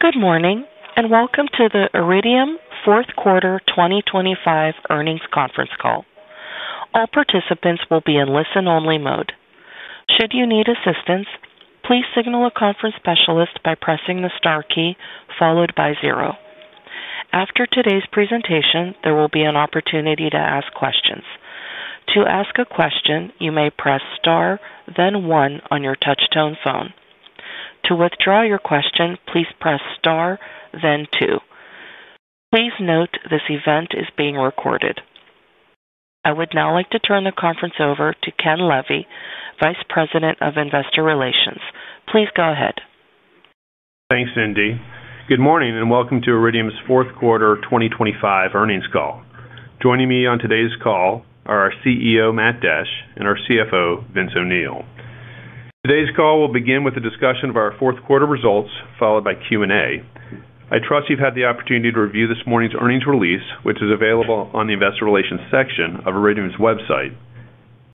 Good morning, and welcome to the Iridium fourth quarter 2025 earnings conference call. All participants will be in listen-only mode. Should you need assistance, please signal a conference specialist by pressing the star key followed by zero. After today's presentation, there will be an opportunity to ask questions. To ask a question, you may press Star, then One on your touch-tone phone. To withdraw your question, please press Star, then Two. Please note, this event is being recorded. I would now like to turn the conference over to Ken Levy, Vice President of Investor Relations. Please go ahead. Thanks, Cindy. Good morning, and welcome to Iridium's fourth quarter 2025 earnings call. Joining me on today's call are our CEO, Matt Desch, and our CFO, Vince O'Neill. Today's call will begin with a discussion of our fourth quarter results, followed by Q&A. I trust you've had the opportunity to review this morning's earnings release, which is available on the investor relations section of Iridium's website.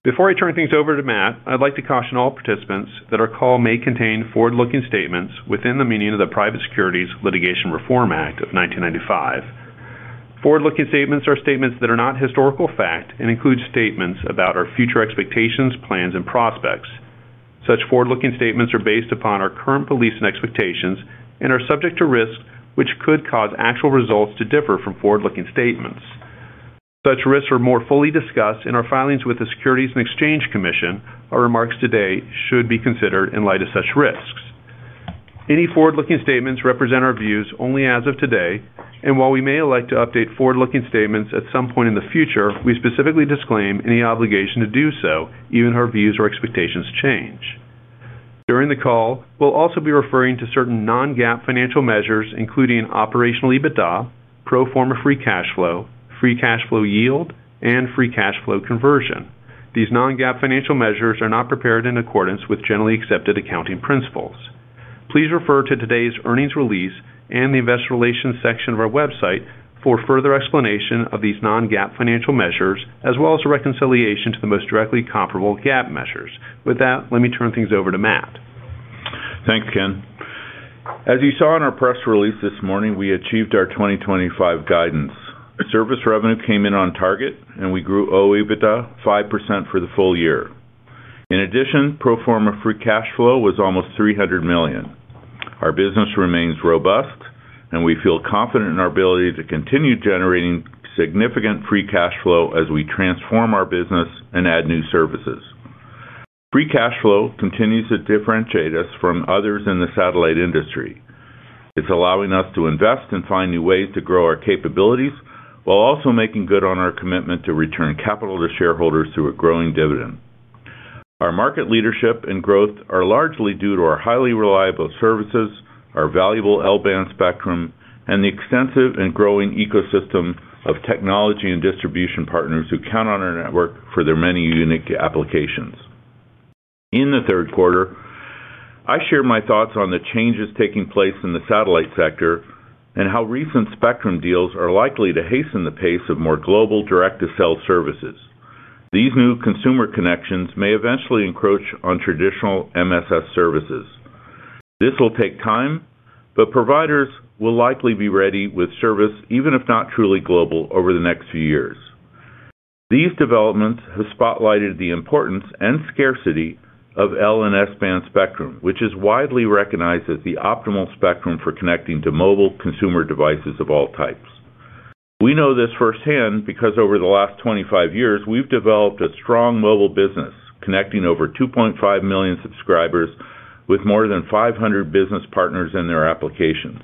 Before I turn things over to Matt, I'd like to caution all participants that our call may contain forward-looking statements within the meaning of the Private Securities Litigation Reform Act of 1995. Forward-looking statements are statements that are not historical fact and include statements about our future expectations, plans, and prospects. Such forward-looking statements are based upon our current beliefs and expectations and are subject to risks which could cause actual results to differ from forward-looking statements. Such risks are more fully discussed in our filings with the Securities and Exchange Commission. Our remarks today should be considered in light of such risks. Any forward-looking statements represent our views only as of today, and while we may elect to update forward-looking statements at some point in the future, we specifically disclaim any obligation to do so, even if our views or expectations change. During the call, we'll also be referring to certain non-GAAP financial measures, including operational EBITDA, pro forma free cash flow, free cash flow yield, and free cash flow conversion. These non-GAAP financial measures are not prepared in accordance with generally accepted accounting principles. Please refer to today's earnings release and the investor relations section of our website for further explanation of these non-GAAP financial measures, as well as a reconciliation to the most directly comparable GAAP measures. With that, let me turn things over to Matt. Thanks, Ken. As you saw in our press release this morning, we achieved our 2025 guidance. Service revenue came in on target, and we grew OIBDA 5% for the full year. In addition, pro forma free cash flow was almost $300 million. Our business remains robust, and we feel confident in our ability to continue generating significant free cash flow as we transform our business and add new services. Free cash flow continues to differentiate us from others in the satellite industry. It's allowing us to invest and find new ways to grow our capabilities, while also making good on our commitment to return capital to shareholders through a growing dividend. Our market leadership and growth are largely due to our highly reliable services, our valuable L-band spectrum, and the extensive and growing ecosystem of technology and distribution partners who count on our network for their many unique applications. In the third quarter, I shared my thoughts on the changes taking place in the satellite sector and how recent spectrum deals are likely to hasten the pace of more global direct-to-cell services. These new consumer connections may eventually encroach on traditional MSS services. This will take time, but providers will likely be ready with service, even if not truly global, over the next few years. These developments have spotlighted the importance and scarcity of L and S-band spectrum, which is widely recognized as the optimal spectrum for connecting to mobile consumer devices of all types. We know this firsthand because over the last 25 years, we've developed a strong mobile business, connecting over 2.5 million subscribers with more than 500 business partners in their applications.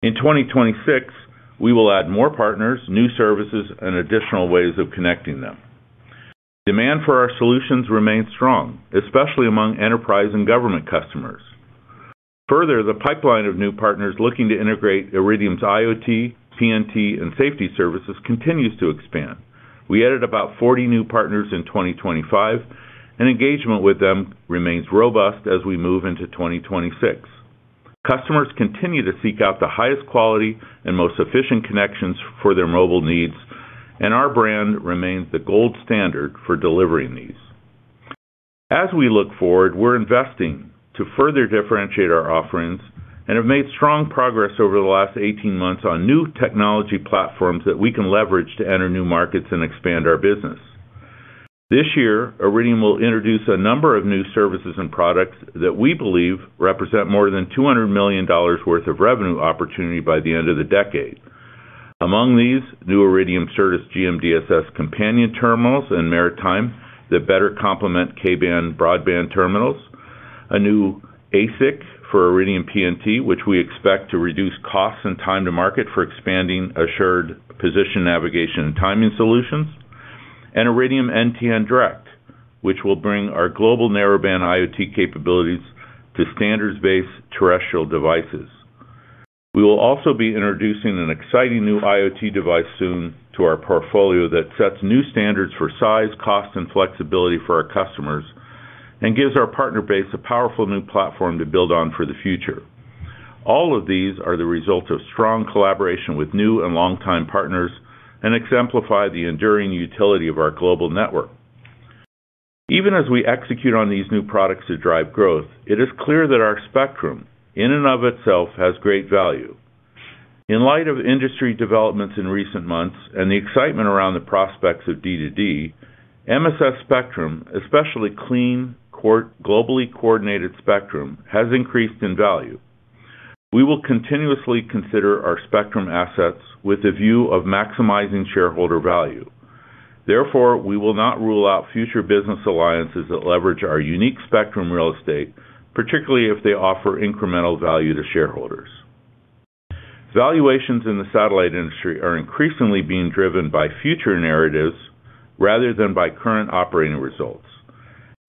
In 2026, we will add more partners, new services, and additional ways of connecting them. Demand for our solutions remains strong, especially among enterprise and government customers. Further, the pipeline of new partners looking to integrate Iridium's IoT, PNT, and safety services continues to expand. We added about 40 new partners in 2025, and engagement with them remains robust as we move into 2026. Customers continue to seek out the highest quality and most efficient connections for their mobile needs, and our brand remains the gold standard for delivering these. As we look forward, we're investing to further differentiate our offerings and have made strong progress over the last 18 months on new technology platforms that we can leverage to enter new markets and expand our business. This year, Iridium will introduce a number of new services and products that we believe represent more than $200 million worth of revenue opportunity by the end of the decade. Among these, new Iridium Certus GMDSS companion terminals and maritime that better complement Ka-band broadband terminals, a new ASIC for Iridium PNT, which we expect to reduce costs and time to market for expanding assured position, navigation, and timing solutions, and Iridium NTN Direct, which will bring our global narrowband IoT capabilities to standards-based terrestrial devices. We will also be introducing an exciting new IoT device soon to our portfolio that sets new standards for size, cost, and flexibility for our customers and gives our partner base a powerful new platform to build on for the future. All of these are the result of strong collaboration with new and longtime partners and exemplify the enduring utility of our global network… Even as we execute on these new products to drive growth, it is clear that our spectrum, in and of itself, has great value. In light of industry developments in recent months and the excitement around the prospects of D2D, MSS spectrum, especially clean, core globally coordinated spectrum, has increased in value. We will continuously consider our spectrum assets with a view of maximizing shareholder value. Therefore, we will not rule out future business alliances that leverage our unique spectrum real estate, particularly if they offer incremental value to shareholders. Valuations in the satellite industry are increasingly being driven by future narratives rather than by current operating results.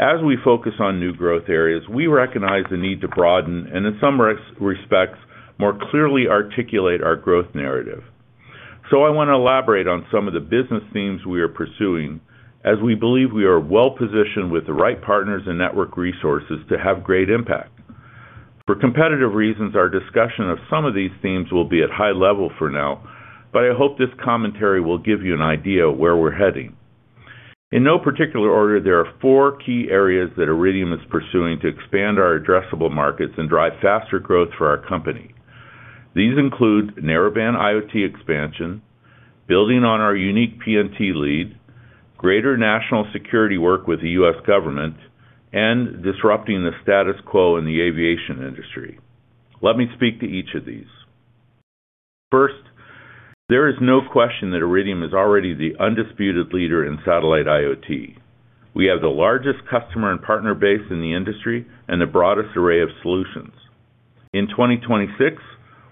As we focus on new growth areas, we recognize the need to broaden and, in some respects, more clearly articulate our growth narrative. So I want to elaborate on some of the business themes we are pursuing, as we believe we are well-positioned with the right partners and network resources to have great impact. For competitive reasons, our discussion of some of these themes will be at high level for now, but I hope this commentary will give you an idea of where we're heading. In no particular order, there are four key areas that Iridium is pursuing to expand our addressable markets and drive faster growth for our company. These include narrowband IoT expansion, building on our unique PNT lead, greater national security work with the U.S. government, and disrupting the status quo in the aviation industry. Let me speak to each of these. First, there is no question that Iridium is already the undisputed leader in satellite IoT. We have the largest customer and partner base in the industry and the broadest array of solutions. In 2026,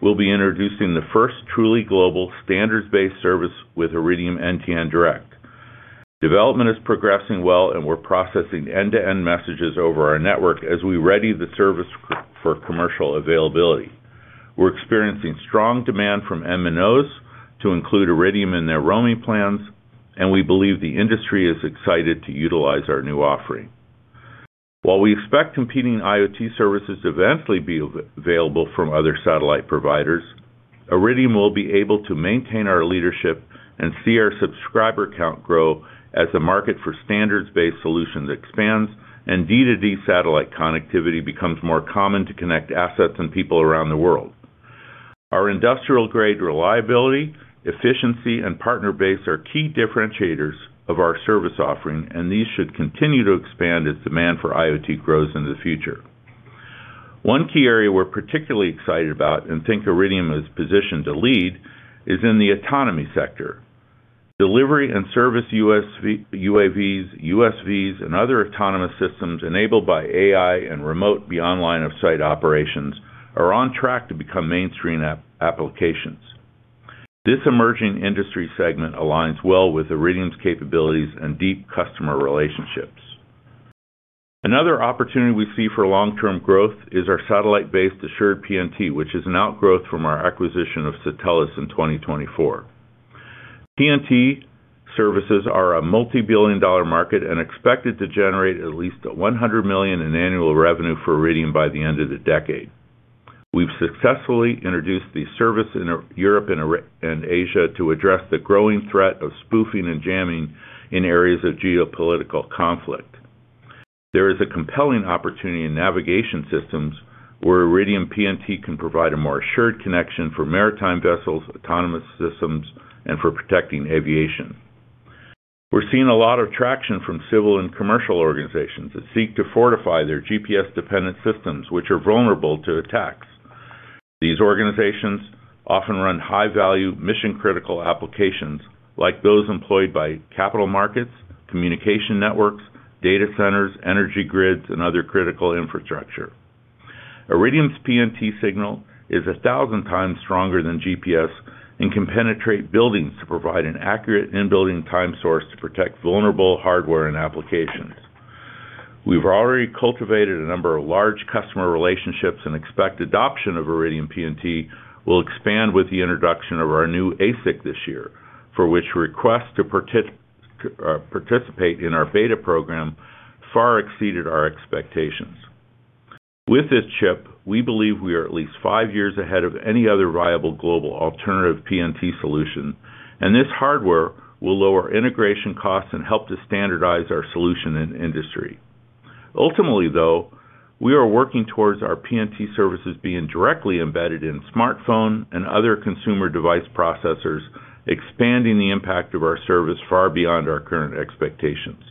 we'll be introducing the first truly global, standards-based service with Iridium NTN Direct. Development is progressing well, and we're processing end-to-end messages over our network as we ready the service for commercial availability. We're experiencing strong demand from MNOs to include Iridium in their roaming plans, and we believe the industry is excited to utilize our new offering. While we expect competing IoT services to eventually be available from other satellite providers, Iridium will be able to maintain our leadership and see our subscriber count grow as the market for standards-based solutions expands and D2D satellite connectivity becomes more common to connect assets and people around the world. Our industrial-grade reliability, efficiency, and partner base are key differentiators of our service offering, and these should continue to expand as demand for IoT grows in the future. One key area we're particularly excited about and think Iridium is positioned to lead, is in the autonomy sector. Delivery and service UAVs, USVs, and other autonomous systems enabled by AI and remote beyond line of sight operations, are on track to become mainstream applications. This emerging industry segment aligns well with Iridium's capabilities and deep customer relationships. Another opportunity we see for long-term growth is our satellite-based assured PNT, which is an outgrowth from our acquisition of Satelles in 2024. PNT services are a multibillion-dollar market and expected to generate at least $100 million in annual revenue for Iridium by the end of the decade. We've successfully introduced the service in Europe and Asia to address the growing threat of spoofing and jamming in areas of geopolitical conflict. There is a compelling opportunity in navigation systems, where Iridium PNT can provide a more assured connection for maritime vessels, autonomous systems, and for protecting aviation. We're seeing a lot of traction from civil and commercial organizations that seek to fortify their GPS-dependent systems, which are vulnerable to attacks. These organizations often run high-value, mission-critical applications, like those employed by capital markets, communication networks, data centers, energy grids, and other critical infrastructure. Iridium's PNT signal is 1,000 times stronger than GPS and can penetrate buildings to provide an accurate in-building time source to protect vulnerable hardware and applications. We've already cultivated a number of large customer relationships and expect adoption of Iridium PNT will expand with the introduction of our new ASIC this year, for which requests to participate in our beta program far exceeded our expectations. With this chip, we believe we are at least 5 years ahead of any other viable global alternative PNT solution, and this hardware will lower integration costs and help to standardize our solution in the industry. Ultimately, though, we are working towards our PNT services being directly embedded in smartphone and other consumer device processors, expanding the impact of our service far beyond our current expectations.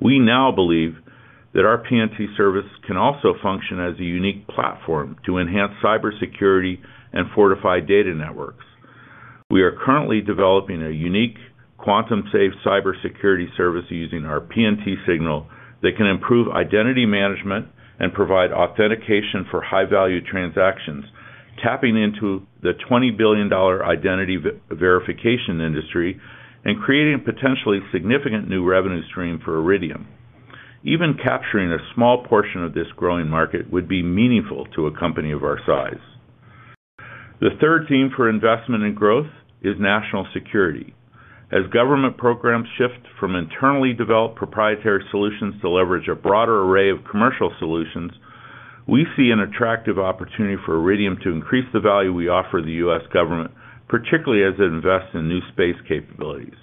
We now believe that our PNT service can also function as a unique platform to enhance cybersecurity and fortify data networks. We are currently developing a unique, quantum-safe cybersecurity service using our PNT signal that can improve identity management and provide authentication for high-value transactions, tapping into the $20 billion identity verification industry and creating a potentially significant new revenue stream for Iridium. Even capturing a small portion of this growing market would be meaningful to a company of our size. The third theme for investment and growth is national security. As government programs shift from internally developed proprietary solutions to leverage a broader array of commercial solutions, we see an attractive opportunity for Iridium to increase the value we offer the U.S. government, particularly as it invests in new space capabilities.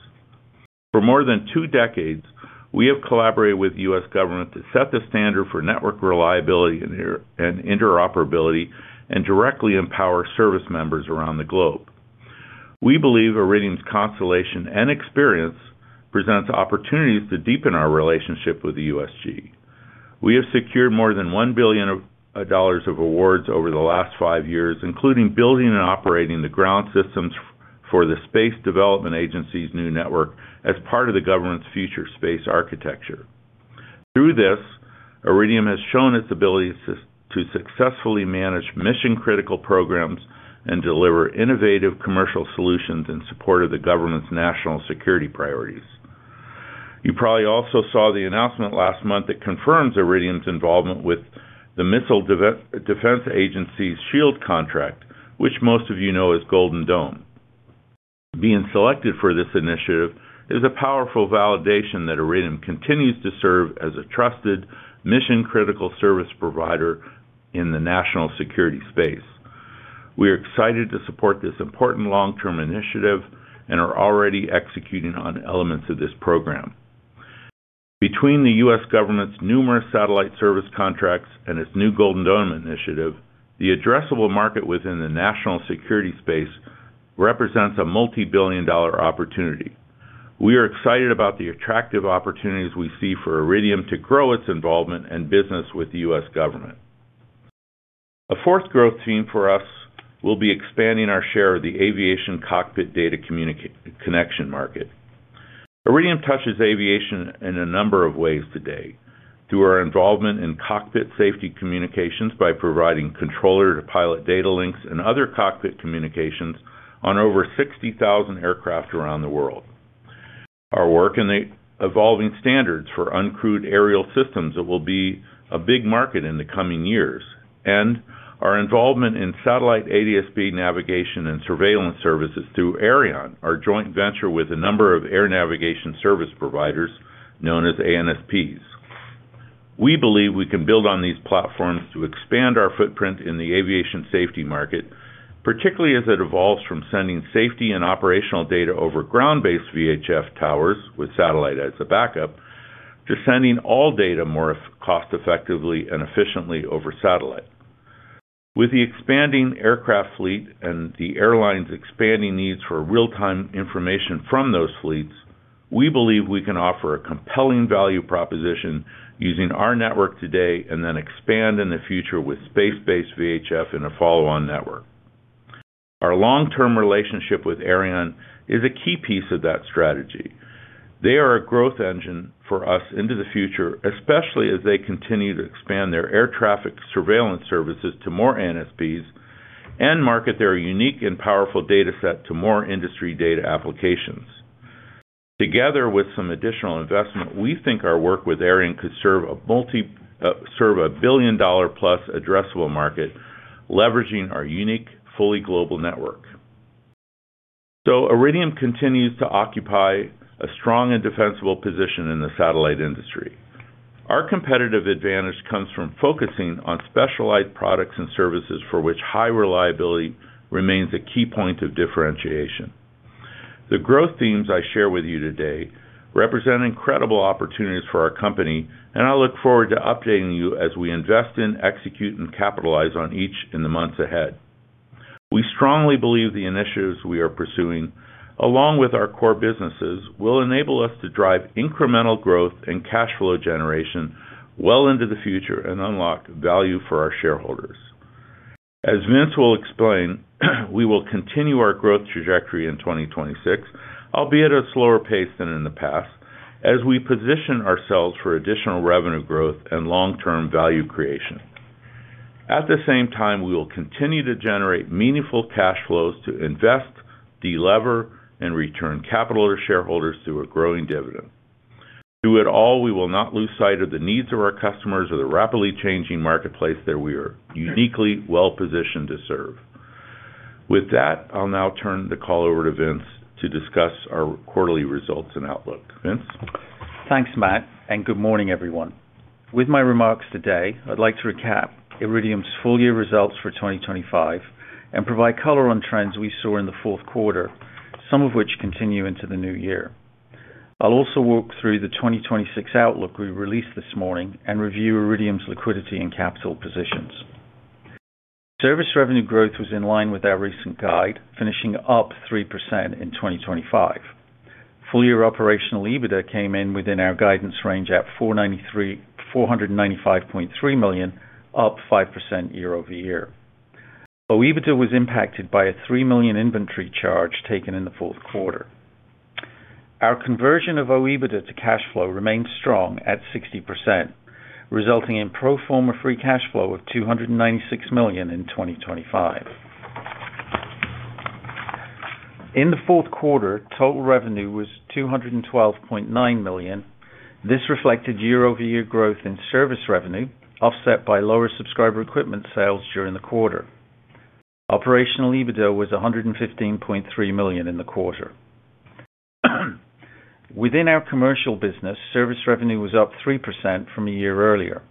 For more than two decades, we have collaborated with the U.S. government to set the standard for network reliability and interoperability, and directly empower service members around the globe. We believe Iridium's constellation and experience presents opportunities to deepen our relationship with the USG. We have secured more than $1 billion of dollars of awards over the last five years, including building and operating the ground systems for the Space Development Agency's new network as part of the government's future space architecture. Through this, Iridium has shown its ability to successfully manage mission-critical programs and deliver innovative commercial solutions in support of the government's national security priorities. You probably also saw the announcement last month that confirms Iridium's involvement with the Missile Defense Agency's Shield contract, which most of you know as Golden Dome. Being selected for this initiative is a powerful validation that Iridium continues to serve as a trusted, mission-critical service provider in the national security space. We are excited to support this important long-term initiative and are already executing on elements of this program. Between the U.S. government's numerous satellite service contracts and its new Golden Dome initiative, the addressable market within the national security space represents a multibillion-dollar opportunity. We are excited about the attractive opportunities we see for Iridium to grow its involvement and business with the U.S. government. A fourth growth theme for us will be expanding our share of the aviation cockpit data communications connection market. Iridium touches aviation in a number of ways today: through our involvement in cockpit safety communications by providing controller-to-pilot data links and other cockpit communications on over 60,000 aircraft around the world, our work in the evolving standards for uncrewed aerial systems that will be a big market in the coming years, and our involvement in satellite ADS-B navigation and surveillance services through Aireon, our joint venture with a number of air navigation service providers known as ANSPs. We believe we can build on these platforms to expand our footprint in the aviation safety market, particularly as it evolves from sending safety and operational data over ground-based VHF towers, with satellite as a backup, to sending all data more cost effectively and efficiently over satellite. With the expanding aircraft fleet and the airlines' expanding needs for real-time information from those fleets, we believe we can offer a compelling value proposition using our network today and then expand in the future with space-based VHF and a follow-on network. Our long-term relationship with Aireon is a key piece of that strategy. They are a growth engine for us into the future, especially as they continue to expand their air traffic surveillance services to more ANSPs and market their unique and powerful data set to more industry data applications. Together with some additional investment, we think our work with Aireon could serve a billion-dollar-plus addressable market, leveraging our unique, fully global network. So Iridium continues to occupy a strong and defensible position in the satellite industry. Our competitive advantage comes from focusing on specialized products and services for which high reliability remains a key point of differentiation. The growth themes I share with you today represent incredible opportunities for our company, and I look forward to updating you as we invest in, execute, and capitalize on each in the months ahead. We strongly believe the initiatives we are pursuing, along with our core businesses, will enable us to drive incremental growth and cash flow generation well into the future and unlock value for our shareholders. As Vince will explain, we will continue our growth trajectory in 2026, albeit at a slower pace than in the past, as we position ourselves for additional revenue growth and long-term value creation. At the same time, we will continue to generate meaningful cash flows to invest, delever, and return capital to shareholders through a growing dividend. Through it all, we will not lose sight of the needs of our customers or the rapidly changing marketplace that we are uniquely well positioned to serve. With that, I'll now turn the call over to Vince to discuss our quarterly results and outlook. Vince? Thanks, Matt, and good morning, everyone. With my remarks today, I'd like to recap Iridium's full-year results for 2025 and provide color on trends we saw in the fourth quarter, some of which continue into the new year. I'll also walk through the 2026 outlook we released this morning and review Iridium's liquidity and capital positions. Service revenue growth was in line with our recent guide, finishing up 3% in 2025. Full-year operational EBITDA came in within our guidance range at $495.3 million, up 5% year-over-year. OIBDA was impacted by a $3 million inventory charge taken in the fourth quarter. Our conversion of OIBDA to cash flow remains strong at 60%, resulting in pro forma free cash flow of $296 million in 2025. In the fourth quarter, total revenue was $212.9 million. This reflected year-over-year growth in service revenue, offset by lower subscriber equipment sales during the quarter. Operational EBITDA was $115.3 million in the quarter. Within our commercial business, service revenue was up 3% from a year earlier.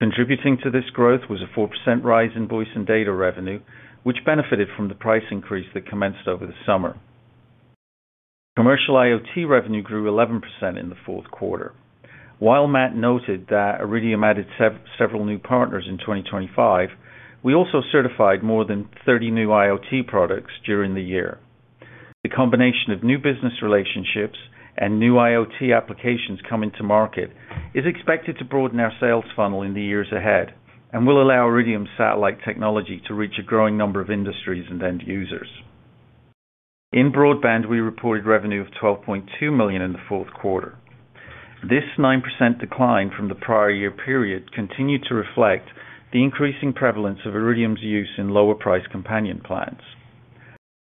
Contributing to this growth was a 4% rise in voice and data revenue, which benefited from the price increase that commenced over the summer. Commercial IoT revenue grew 11% in the fourth quarter. While Matt noted that Iridium added several new partners in 2025, we also certified more than 30 new IoT products during the year. The combination of new business relationships and new IoT applications coming to market is expected to broaden our sales funnel in the years ahead, and will allow Iridium satellite technology to reach a growing number of industries and end users. In broadband, we reported revenue of $12.2 million in the fourth quarter. This 9% decline from the prior year period continued to reflect the increasing prevalence of Iridium's use in lower-priced companion plans.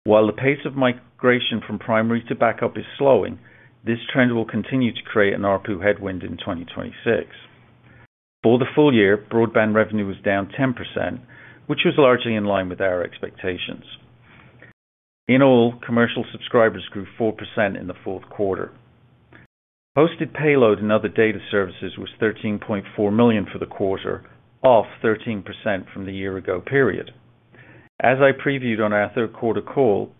While the pace of migration from primary to backup is slowing, this trend will continue to create an ARPU headwind in 2026. For the full year, broadband revenue was down 10%, which was largely in line with our expectations. In all, commercial subscribers grew 4% in the fourth quarter. Hosted payload and other data services was $13.4 million for the quarter, off 13% from the year ago period. As I previewed on our third quarter call,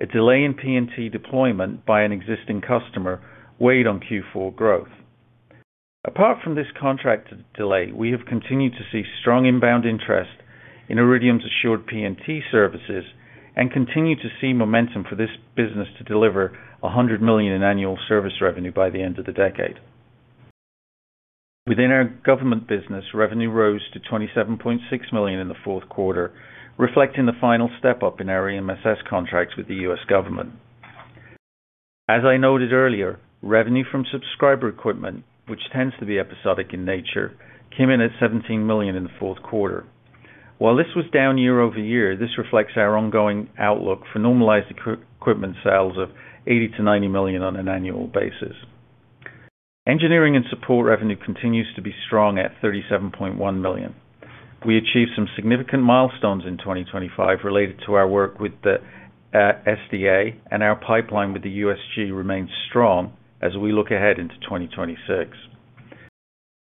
a delay in PNT deployment by an existing customer weighed on Q4 growth. Apart from this contract delay, we have continued to see strong inbound interest in Iridium's assured PNT services, and continue to see momentum for this business to deliver $100 million in annual service revenue by the end of the decade. Within our government business, revenue rose to $27.6 million in the fourth quarter, reflecting the final step-up in our EMSS contracts with the U.S. government. As I noted earlier, revenue from subscriber equipment, which tends to be episodic in nature, came in at $17 million in the fourth quarter. While this was down year-over-year, this reflects our ongoing outlook for normalized equipment sales of $80 million to $90 million on an annual basis. Engineering and support revenue continues to be strong at $37.1 million. We achieved some significant milestones in 2025 related to our work with the SDA, and our pipeline with the USG remains strong as we look ahead into 2026.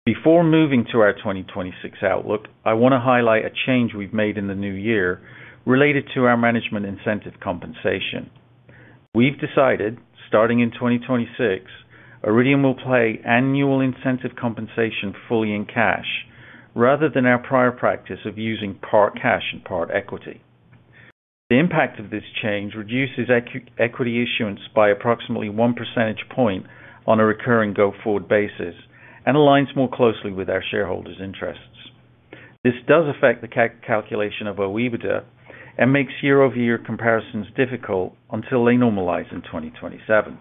Before moving to our 2026 outlook, I wanna highlight a change we've made in the new year related to our management incentive compensation. We've decided, starting in 2026, Iridium will pay annual incentive compensation fully in cash, rather than our prior practice of using part cash and part equity. The impact of this change reduces equity issuance by approximately one percentage point on a recurring go-forward basis, and aligns more closely with our shareholders' interests. This does affect the calculation of OIBDA, and makes year-over-year comparisons difficult until they normalize in 2027.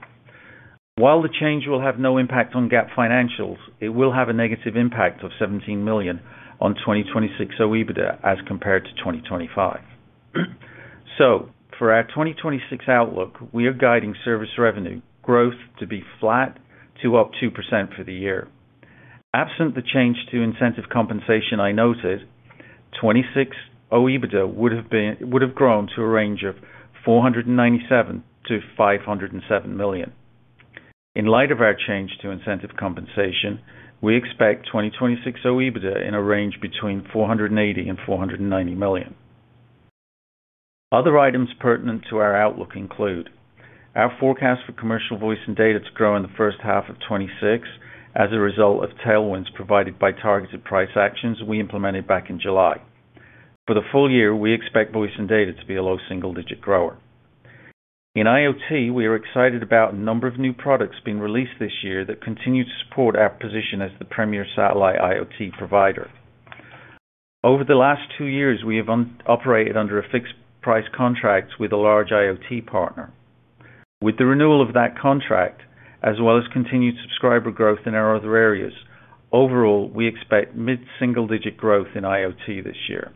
While the change will have no impact on GAAP financials, it will have a negative impact of $17 million on 2026 OIBDA as compared to 2025. So for our 2026 outlook, we are guiding service revenue growth to be flat to up 2% for the year. Absent the change to incentive compensation I noted, 2026 OIBDA would have grown to a range of $497 million to $507 million. In light of our change to incentive compensation, we expect 2026 OIBDA in a range between $480 million and $490 million. Other items pertinent to our outlook include: Our forecast for commercial voice and data to grow in the first half of 2026 as a result of tailwinds provided by targeted price actions we implemented back in July. For the full year, we expect voice and data to be a low single-digit grower. In IoT, we are excited about a number of new products being released this year that continue to support our position as the premier satellite IoT provider. Over the last two years, we have operated under a fixed price contract with a large IoT partner. With the renewal of that contract, as well as continued subscriber growth in our other areas, overall, we expect mid-single-digit growth in IoT this year.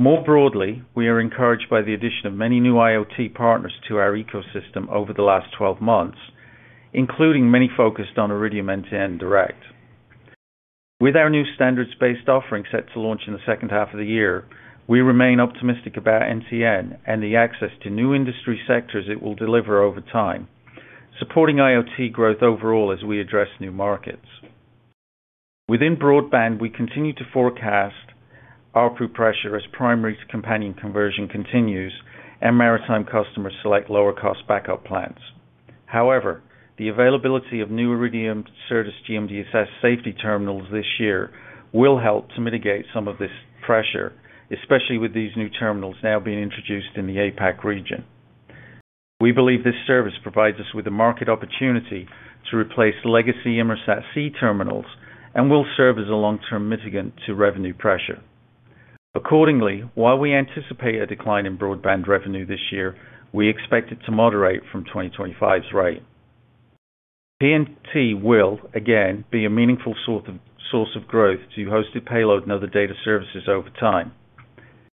More broadly, we are encouraged by the addition of many new IoT partners to our ecosystem over the last 12 months, including many focused on Iridium NTN Direct. With our new standards-based offering set to launch in the second half of the year, we remain optimistic about NTN and the access to new industry sectors it will deliver over time, supporting IoT growth overall as we address new markets. Within broadband, we continue to forecast ARPU pressure as primary to companion conversion continues, and maritime customers select lower-cost backup plans. However, the availability of new Iridium Certus GMDSS safety terminals this year will help to mitigate some of this pressure, especially with these new terminals now being introduced in the APAC region. We believe this service provides us with a market opportunity to replace legacy Inmarsat-C terminals and will serve as a long-term mitigant to revenue pressure. Accordingly, while we anticipate a decline in broadband revenue this year, we expect it to moderate from 2025's rate. PNT will again be a meaningful sort of source of growth to hosted payload and other data services over time.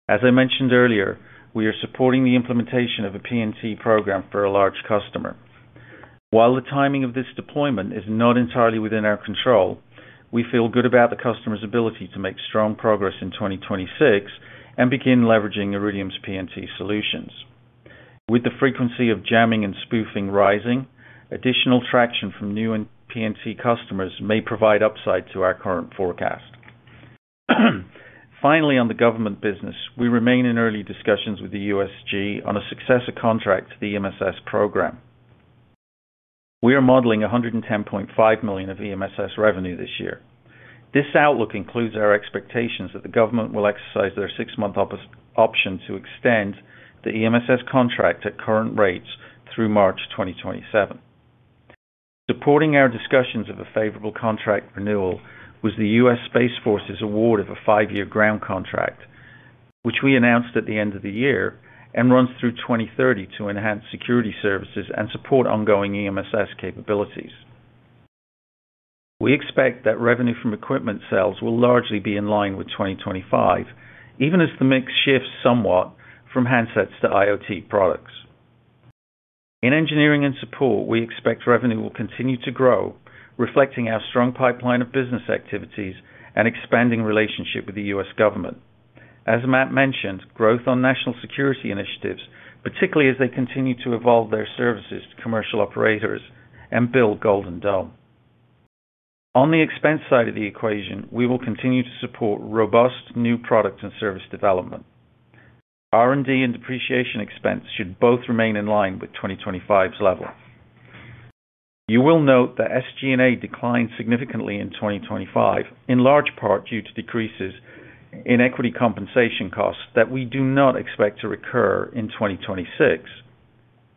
As I mentioned earlier, we are supporting the implementation of a PNT program for a large customer. While the timing of this deployment is not entirely within our control. We feel good about the customer's ability to make strong progress in 2026, and begin leveraging Iridium's PNT solutions. With the frequency of jamming and spoofing rising, additional traction from new and PNT customers may provide upside to our current forecast. Finally, on the government business, we remain in early discussions with the USG on a successor contract to the EMSS program. We are modeling $110.5 million of EMSS revenue this year. This outlook includes our expectations that the government will exercise their 6-month option to extend the EMSS contract at current rates through March 2027. Supporting our discussions of a favorable contract renewal was the U.S. Space Force's award of a 5-year ground contract, which we announced at the end of the year and runs through 2030 to enhance security services and support ongoing EMSS capabilities. We expect that revenue from equipment sales will largely be in line with 2025, even as the mix shifts somewhat from handsets to IoT products. In engineering and support, we expect revenue will continue to grow, reflecting our strong pipeline of business activities and expanding relationship with the U.S. government. As Matt mentioned, growth on national security initiatives, particularly as they continue to evolve their services to commercial operators and build Golden Dome. On the expense side of the equation, we will continue to support robust new product and service development. R&D and depreciation expense should both remain in line with 2025's level. You will note that SG&A declined significantly in 2025, in large part due to decreases in equity compensation costs that we do not expect to recur in 2026.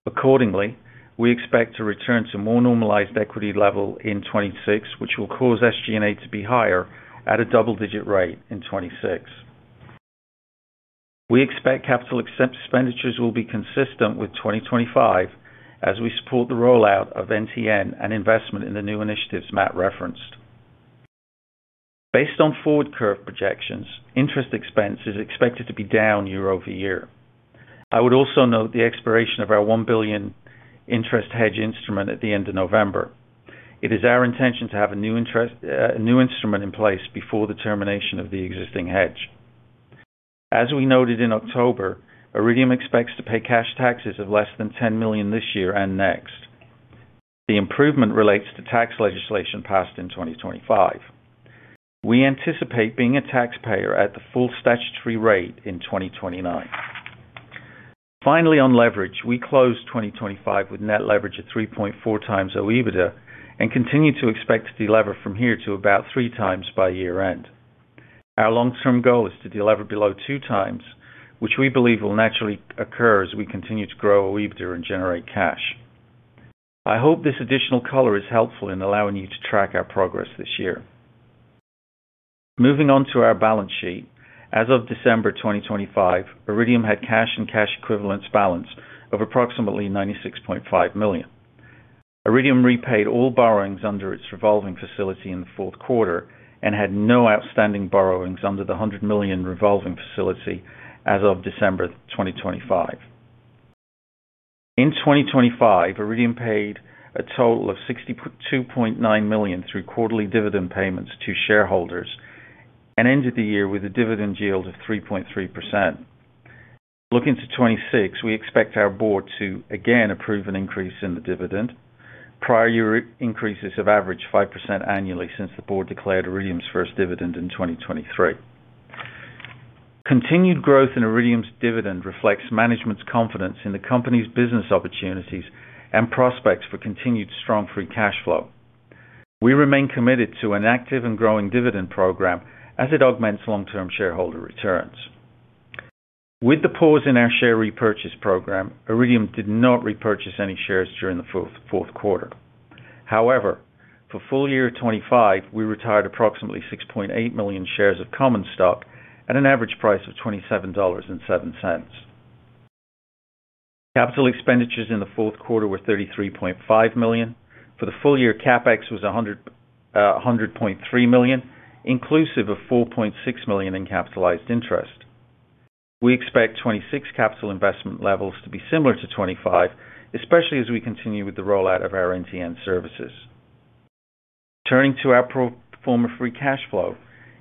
Accordingly, we expect to return to more normalized equity level in 2026, which will cause SG&A to be higher at a double-digit rate in 2026. We expect capital expenditures will be consistent with 2025, as we support the rollout of NTN and investment in the new initiatives Matt referenced. Based on forward curve projections, interest expense is expected to be down year-over-year. I would also note the expiration of our $1 billion interest hedge instrument at the end of November. It is our intention to have a new interest, a new instrument in place before the termination of the existing hedge. As we noted in October, Iridium expects to pay cash taxes of less than $10 million this year and next. The improvement relates to tax legislation passed in 2025. We anticipate being a taxpayer at the full statutory rate in 2029. Finally, on leverage, we closed 2025 with net leverage at 3.4 times OIBDA, and continue to expect to delever from here to about three times by year-end. Our long-term goal is to delever below two times, which we believe will naturally occur as we continue to grow OIBDA and generate cash. I hope this additional color is helpful in allowing you to track our progress this year. Moving on to our balance sheet. As of December 2025, Iridium had cash and cash equivalents balance of approximately $96.5 million. Iridium repaid all borrowings under its revolving facility in the fourth quarter and had no outstanding borrowings under the $100 million revolving facility as of December 2025. In 2025, Iridium paid a total of $62.9 million through quarterly dividend payments to shareholders, and ended the year with a dividend yield of 3.3%. Looking to 2026, we expect our board to again approve an increase in the dividend. Prior year increases have averaged 5% annually since the board declared Iridium's first dividend in 2023. Continued growth in Iridium's dividend reflects management's confidence in the company's business opportunities and prospects for continued strong free cash flow. We remain committed to an active and growing dividend program as it augments long-term shareholder returns. With the pause in our share repurchase program, Iridium did not repurchase any shares during the fourth quarter. However, for full year 2025, we retired approximately 6.8 million shares of common stock at an average price of $27.07. Capital expenditures in the fourth quarter were $33.5 million. For the full year, CapEx was a hundred, a hundred point three million, inclusive of $4.6 million in capitalized interest. We expect 2026 capital investment levels to be similar to 2025, especially as we continue with the rollout of our NTN services. Turning to our pro forma free cash flow,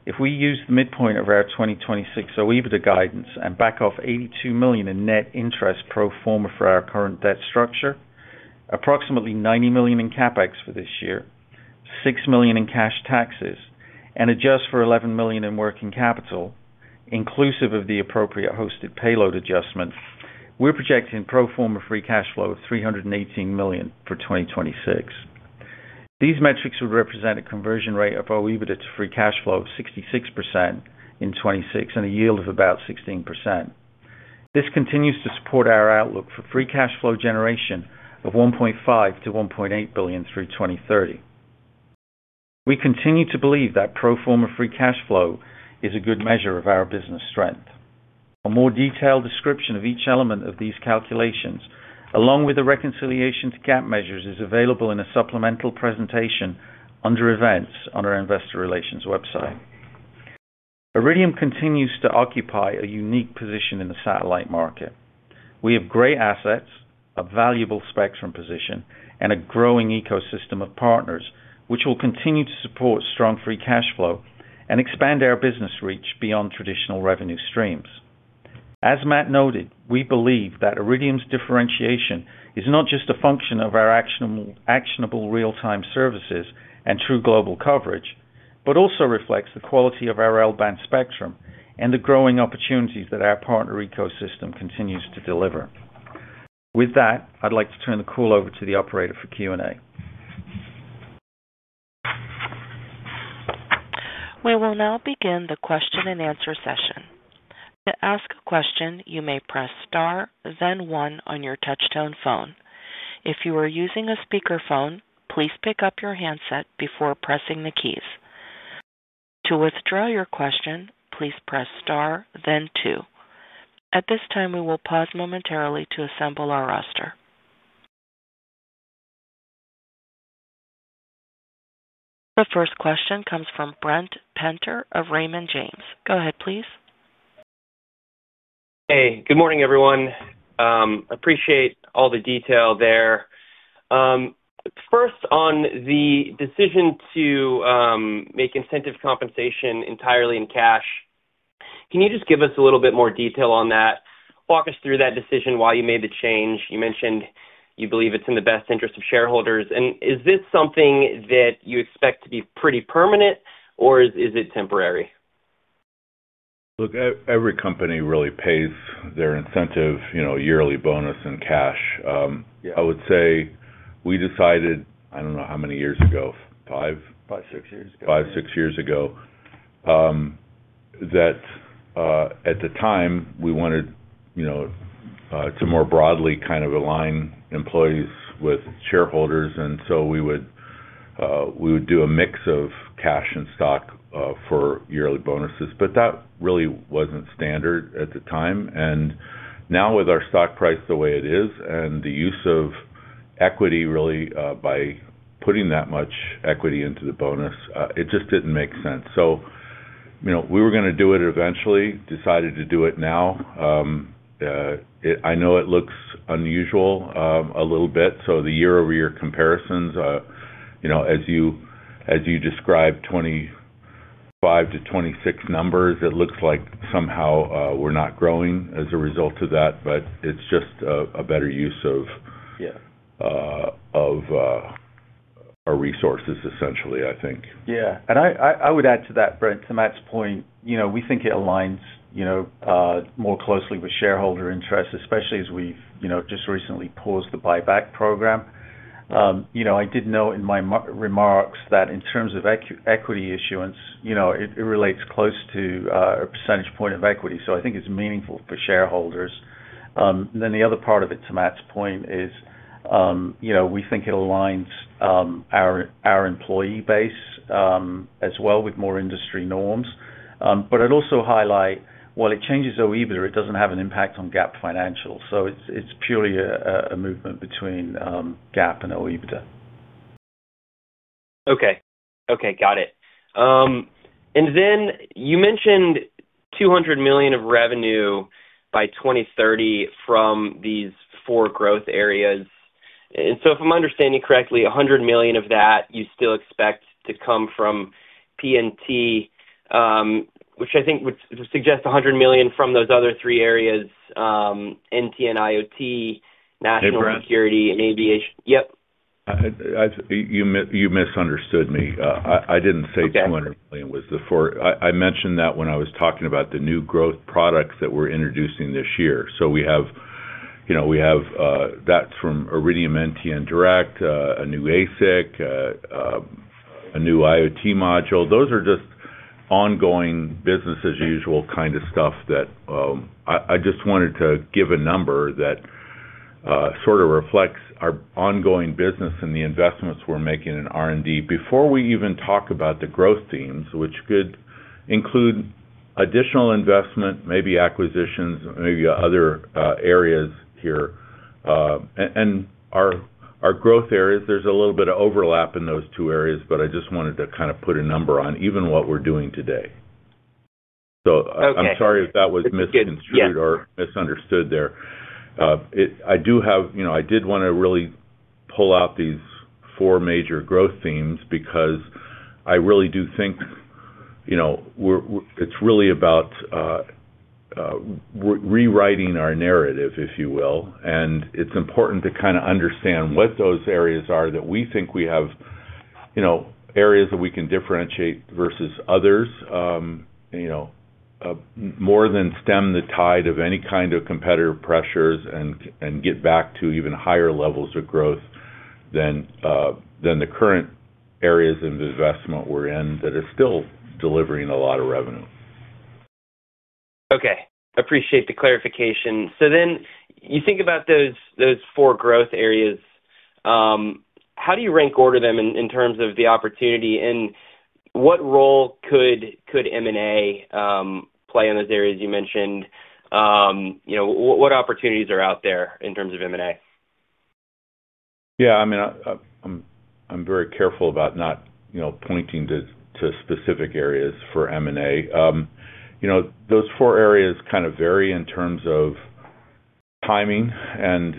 if we use the midpoint of our 2026 OIBDA guidance and back off $82 million in net interest pro forma for our current debt structure, approximately $90 million in CapEx for this year, $6 million in cash taxes, and adjust for $11 million in working capital, inclusive of the appropriate hosted payload adjustment, we're projecting pro forma free cash flow of $318 million for 2026. These metrics would represent a conversion rate of OIBDA to free cash flow of 66% in 2026, and a yield of about 16%. This continues to support our outlook for free cash flow generation of $1.5 billion to $1.8 billion through 2030. We continue to believe that pro forma free cash flow is a good measure of our business strength. A more detailed description of each element of these calculations, along with the reconciliation to GAAP measures, is available in a supplemental presentation under Events on our Investor Relations website.... Iridium continues to occupy a unique position in the satellite market. We have great assets, a valuable spectrum position, and a growing ecosystem of partners, which will continue to support strong free cash flow and expand our business reach beyond traditional revenue streams. As Matt noted, we believe that Iridium's differentiation is not just a function of our actionable, actionable real-time services and true global coverage, but also reflects the quality of our L-band spectrum and the growing opportunities that our partner ecosystem continues to deliver. With that, I'd like to turn the call over to the operator for Q&A. We will now begin the question-and-answer session. To ask a question, you may press Star, then one on your touch-tone phone. If you are using a speakerphone, please pick up your handset before pressing the keys. To withdraw your question, please press Star then two. At this time, we will pause momentarily to assemble our roster. The first question comes from Ric Prentiss of Raymond James. Go ahead, please. Hey, good morning, everyone. Appreciate all the detail there. First, on the decision to make incentive compensation entirely in cash, can you just give us a little bit more detail on that? Walk us through that decision, why you made the change. You mentioned you believe it's in the best interest of shareholders, and is this something that you expect to be pretty permanent, or is it temporary? Look, every company really pays their incentive, you know, yearly bonus and cash. Yeah. I would say we decided, I don't know how many years ago, five? 5, 6 years ago. Five, six years ago, at the time, we wanted, you know, to more broadly kind of align employees with shareholders, and so we would do a mix of cash and stock for yearly bonuses. But that really wasn't standard at the time. And now with our stock price the way it is and the use of equity, really, by putting that much equity into the bonus, it just didn't make sense. So, you know, we were going to do it eventually, decided to do it now. I know it looks unusual, a little bit. So the year-over-year comparisons, you know, as you describe 2025 to 2026 numbers, it looks like somehow, we're not growing as a result of that, but it's just a better use of- Yeah... of our resources, essentially, I think. Yeah. I would add to that, Brent, to Matt's point. You know, we think it aligns more closely with shareholder interests, especially as we've just recently paused the buyback program. You know, I noted in my remarks that in terms of equity issuance, you know, it relates close to a percentage point of equity, so I think it's meaningful for shareholders. Then the other part of it, to Matt's point, is you know, we think it aligns our employee base as well with more industry norms. But I'd also highlight, while it changes OIBDA, it doesn't have an impact on GAAP financials, so it's purely a movement between GAAP and OIBDA. Okay. Okay, got it. And then you mentioned $200 million of revenue by 2030 from these four growth areas. And so if I'm understanding correctly, $100 million of that you still expect to come from PNT, which I think would suggest $100 million from those other three areas, NT and IoT, national- Hey, Brent? Security and aviation. Yep. You misunderstood me. I didn't say- Okay. $200 million... I mentioned that when I was talking about the new growth products that we're introducing this year. So we have, you know, we have, that's from Iridium NTN Direct, a new ASIC, a new IoT module. Those are just ongoing business as usual kind of stuff that, I just wanted to give a number that sort of reflects our ongoing business and the investments we're making in R&D. Before we even talk about the growth themes, which could include additional investment, maybe acquisitions, maybe other areas here, and our growth areas, there's a little bit of overlap in those two areas, but I just wanted to kind of put a number on even what we're doing today. Okay. I'm sorry if that was misconstrued- Yeah. - or misunderstood there. I do have, you know, I did want to really pull out these four major growth themes because I really do think, you know, we're, it's really about, rewriting our narrative, if you will, and it's important to kinda understand what those areas are that we think we have, you know, areas that we can differentiate versus others, you know, more than stem the tide of any kind of competitive pressures and get back to even higher levels of growth than the current areas of investment we're in, that are still delivering a lot of revenue. Okay, appreciate the clarification. So then you think about those four growth areas, how do you rank order them in terms of the opportunity, and what role could M&A play in those areas you mentioned? You know, what opportunities are out there in terms of M&A?... Yeah, I mean, I'm very careful about not, you know, pointing to specific areas for M&A. You know, those four areas kind of vary in terms of timing and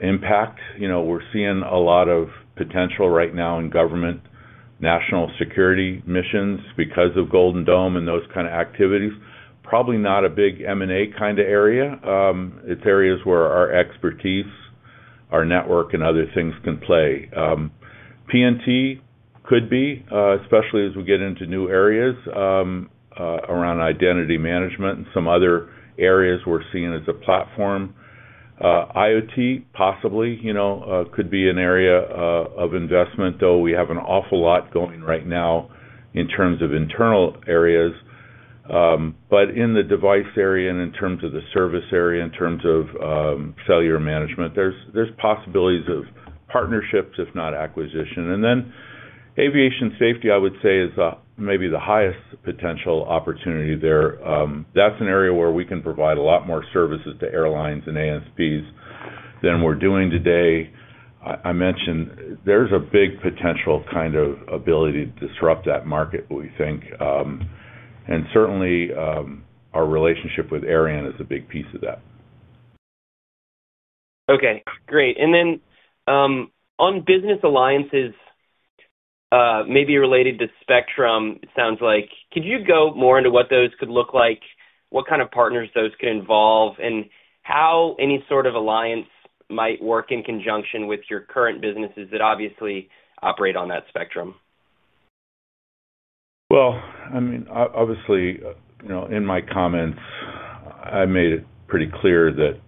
impact. You know, we're seeing a lot of potential right now in government, national security missions because of Golden Dome and those kind of activities. Probably not a big M&A kind of area. It's areas where our expertise, our network, and other things can play. PNT could be, especially as we get into new areas, around identity management and some other areas we're seeing as a platform. IoT, possibly, you know, could be an area of investment, though we have an awful lot going right now in terms of internal areas. But in the device area and in terms of the service area, in terms of cellular management, there's possibilities of partnerships if not acquisition. And then, aviation safety, I would say, is maybe the highest potential opportunity there. That's an area where we can provide a lot more services to airlines and ANSPs than we're doing today. I mentioned there's a big potential kind of ability to disrupt that market, we think. And certainly, our relationship with Aireon is a big piece of that. Okay, great. And then, on business alliances, maybe related to spectrum, it sounds like, could you go more into what those could look like? What kind of partners those could involve, and how any sort of alliance might work in conjunction with your current businesses that obviously operate on that spectrum? Well, I mean, obviously, you know, in my comments, I made it pretty clear that,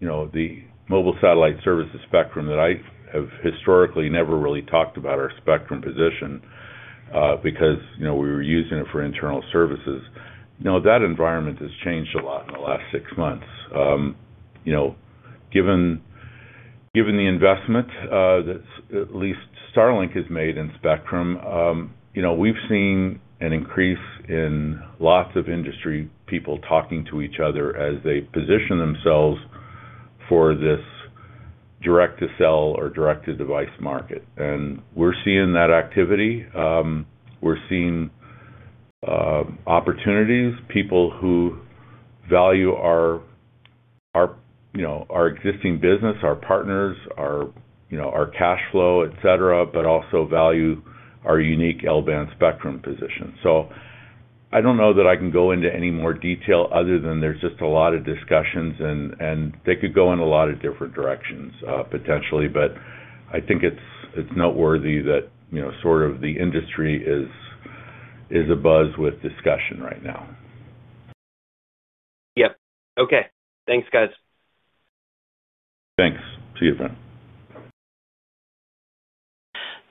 you know, the mobile satellite services spectrum that I have historically never really talked about our spectrum position, because, you know, we were using it for internal services. Now, that environment has changed a lot in the last six months. You know, given the investment that at least Starlink has made in spectrum, you know, we've seen an increase in lots of industry people talking to each other as they position themselves for this direct-to-sell or direct-to-device market. And we're seeing that activity. We're seeing opportunities, people who value our, our, you know, our existing business, our partners, our, you know, our cash flow, et cetera, but also value our unique L-band spectrum position. I don't know that I can go into any more detail other than there's just a lot of discussions and they could go in a lot of different directions, potentially, but I think it's noteworthy that, you know, sort of the industry is abuzz with discussion right now. Yep. Okay. Thanks, guys. Thanks. See you then.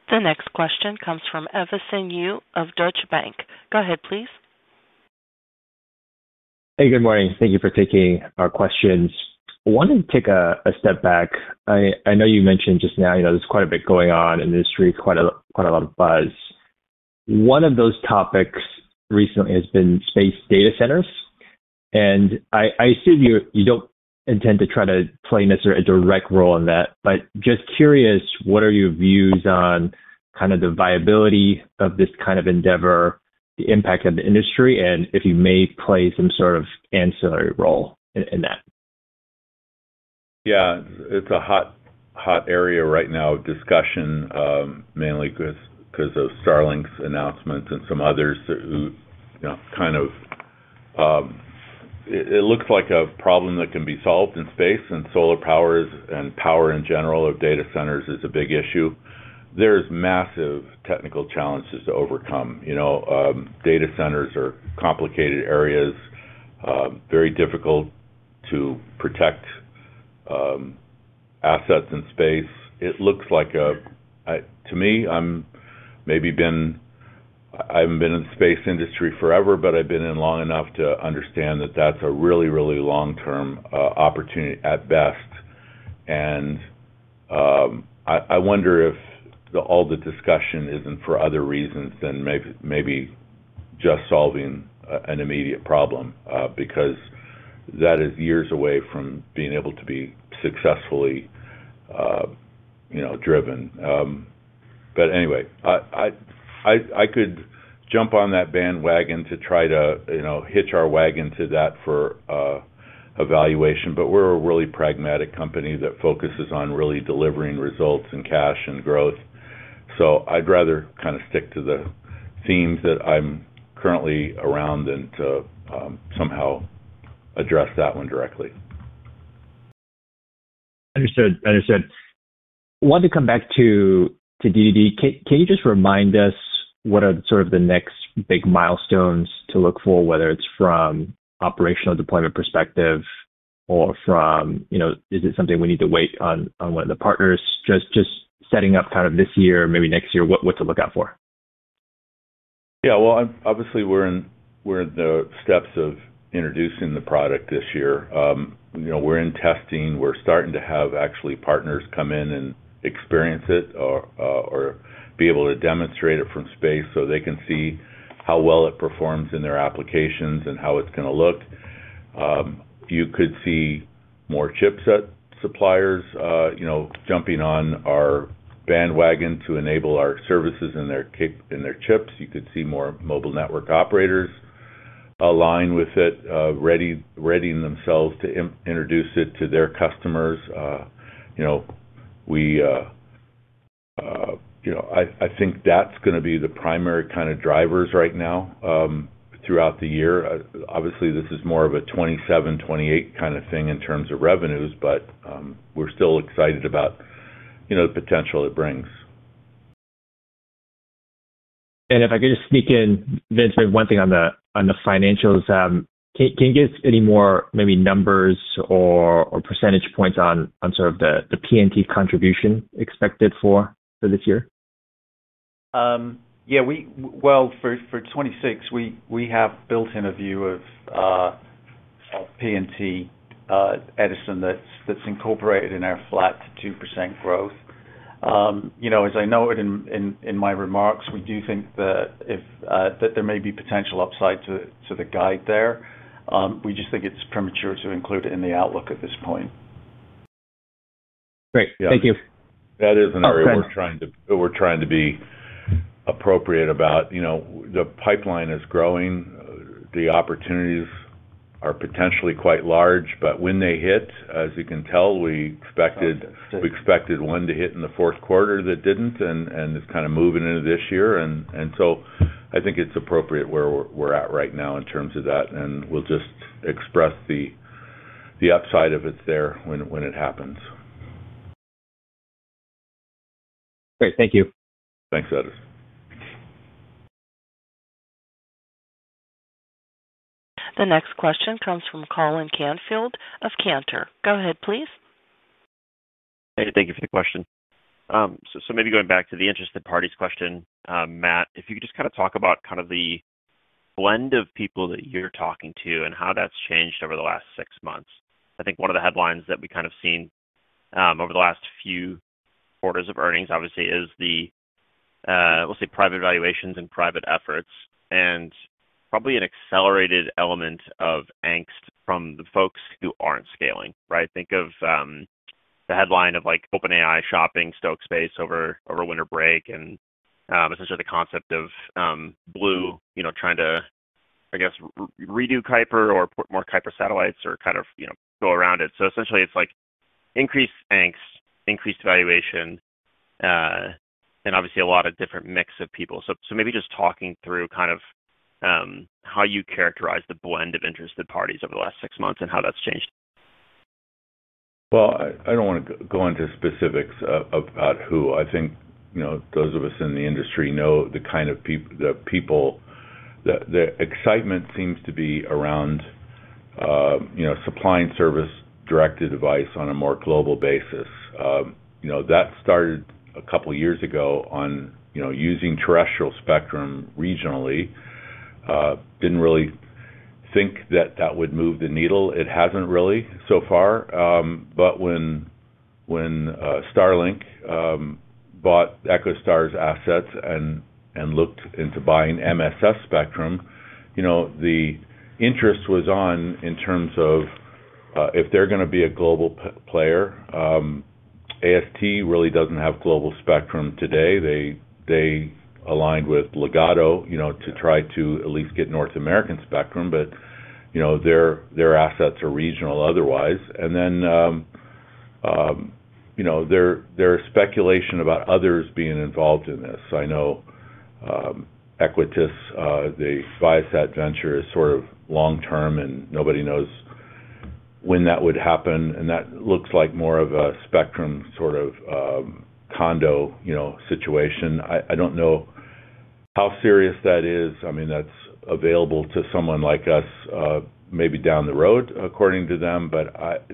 The next question comes from Edison Yu of Deutsche Bank. Go ahead, please. Hey, good morning. Thank you for taking our questions. I wanted to take a step back. I know you mentioned just now, you know, there's quite a bit going on in the industry, quite a lot of buzz. One of those topics recently has been space data centers, and I assume you don't intend to try to play necessarily a direct role in that, but just curious, what are your views on kind of the viability of this kind of endeavor, the impact on the industry, and if you may play some sort of ancillary role in that? Yeah, it's a hot, hot area right now of discussion, mainly 'cause of Starlink's announcement and some others who, you know, kind of... It looks like a problem that can be solved in space, and solar powers and power in general of data centers is a big issue. There's massive technical challenges to overcome. You know, data centers are complicated areas, very difficult to protect assets in space. It looks like a-- To me, I haven't been in the space industry forever, but I've been in long enough to understand that that's a really, really long-term opportunity at best. I wonder if all the discussion isn't for other reasons than maybe just solving an immediate problem, because that is years away from being able to be successfully, you know, driven. But anyway, I could jump on that bandwagon to try to, you know, hitch our wagon to that for evaluation, but we're a really pragmatic company that focuses on really delivering results and cash and growth. So I'd rather kind of stick to the themes that I'm currently around than to somehow address that one directly. Understood. Understood. I wanted to come back to D2D. Can you just remind us what are sort of the next big milestones to look for, whether it's from operational deployment perspective or from, you know, is it something we need to wait on one of the partners? Just setting up kind of this year, maybe next year, what to look out for? Yeah, well, obviously, we're in the steps of introducing the product this year. You know, we're in testing. We're starting to have actually partners come in and experience it or be able to demonstrate it from space so they can see how well it performs in their applications and how it's gonna look. You could see more chipset suppliers, you know, jumping on our bandwagon to enable our services in their chips. You could see more mobile network operators align with it, readying themselves to introduce it to their customers. You know, I think that's gonna be the primary kind of drivers right now, throughout the year. Obviously, this is more of a $27-$28 kind of thing in terms of revenues, but we're still excited about, you know, the potential it brings. If I could just sneak in, Vince, maybe one thing on the financials. Can you give us any more maybe numbers or percentage points on sort of the PNT contribution expected for this year? Yeah, well, for 2026, we have built in a view of PNT, Edison, that's incorporated in our flat 2% growth. You know, as I noted in my remarks, we do think that if that there may be potential upside to the guide there. We just think it's premature to include it in the outlook at this point. Great. Thank you. That is an area we're trying to be appropriate about. You know, the pipeline is growing, the opportunities are potentially quite large, but when they hit, as you can tell, we expected one to hit in the fourth quarter that didn't, and it's kind of moving into this year, and so I think it's appropriate where we're at right now in terms of that, and we'll just express the upside of it there when it happens. Great. Thank you. Thanks, Edison. The next question comes from Colin Canfield of Cantor. Go ahead, please. Hey, thank you for the question. So maybe going back to the interested parties question, Matt, if you could just kind of talk about kind of the blend of people that you're talking to and how that's changed over the last six months. I think one of the headlines that we kind of seen over the last few quarters of earnings, obviously, is the, we'll say, private valuations and private efforts, and probably an accelerated element of angst from the folks who aren't scaling, right? Think of the headline of, like, OpenAI shopping Stoke Space over winter break and essentially the concept of Blue Origin, you know, trying to, I guess, re- redo Kuiper or put more Kuiper satellites or kind of, you know, go around it. So essentially, it's like increased angst, increased valuation, and obviously a lot of different mix of people. So maybe just talking through kind of, how you characterize the blend of interested parties over the last six months and how that's changed. Well, I don't want to go into specifics about who. I think, you know, those of us in the industry know the kind of people. The excitement seems to be around, you know, supplying service direct-to-device on a more global basis. You know, that started a couple of years ago on, you know, using terrestrial spectrum regionally. Didn't really think that that would move the needle. It hasn't really, so far, but when Starlink bought EchoStar's assets and looked into buying MSS spectrum, you know, the interest was on in terms of if they're gonna be a global player. AST really doesn't have global spectrum today. They aligned with Ligado, you know, to try to at least get North American spectrum, but, you know, their assets are regional otherwise. And then, you know, there are speculation about others being involved in this. I know,, the Viasat venture is sort of long-term, and nobody knows when that would happen, and that looks like more of a spectrum sort of condo, you know, situation. I don't know how serious that is. I mean, that's available to someone like us, maybe down the road, according to them, but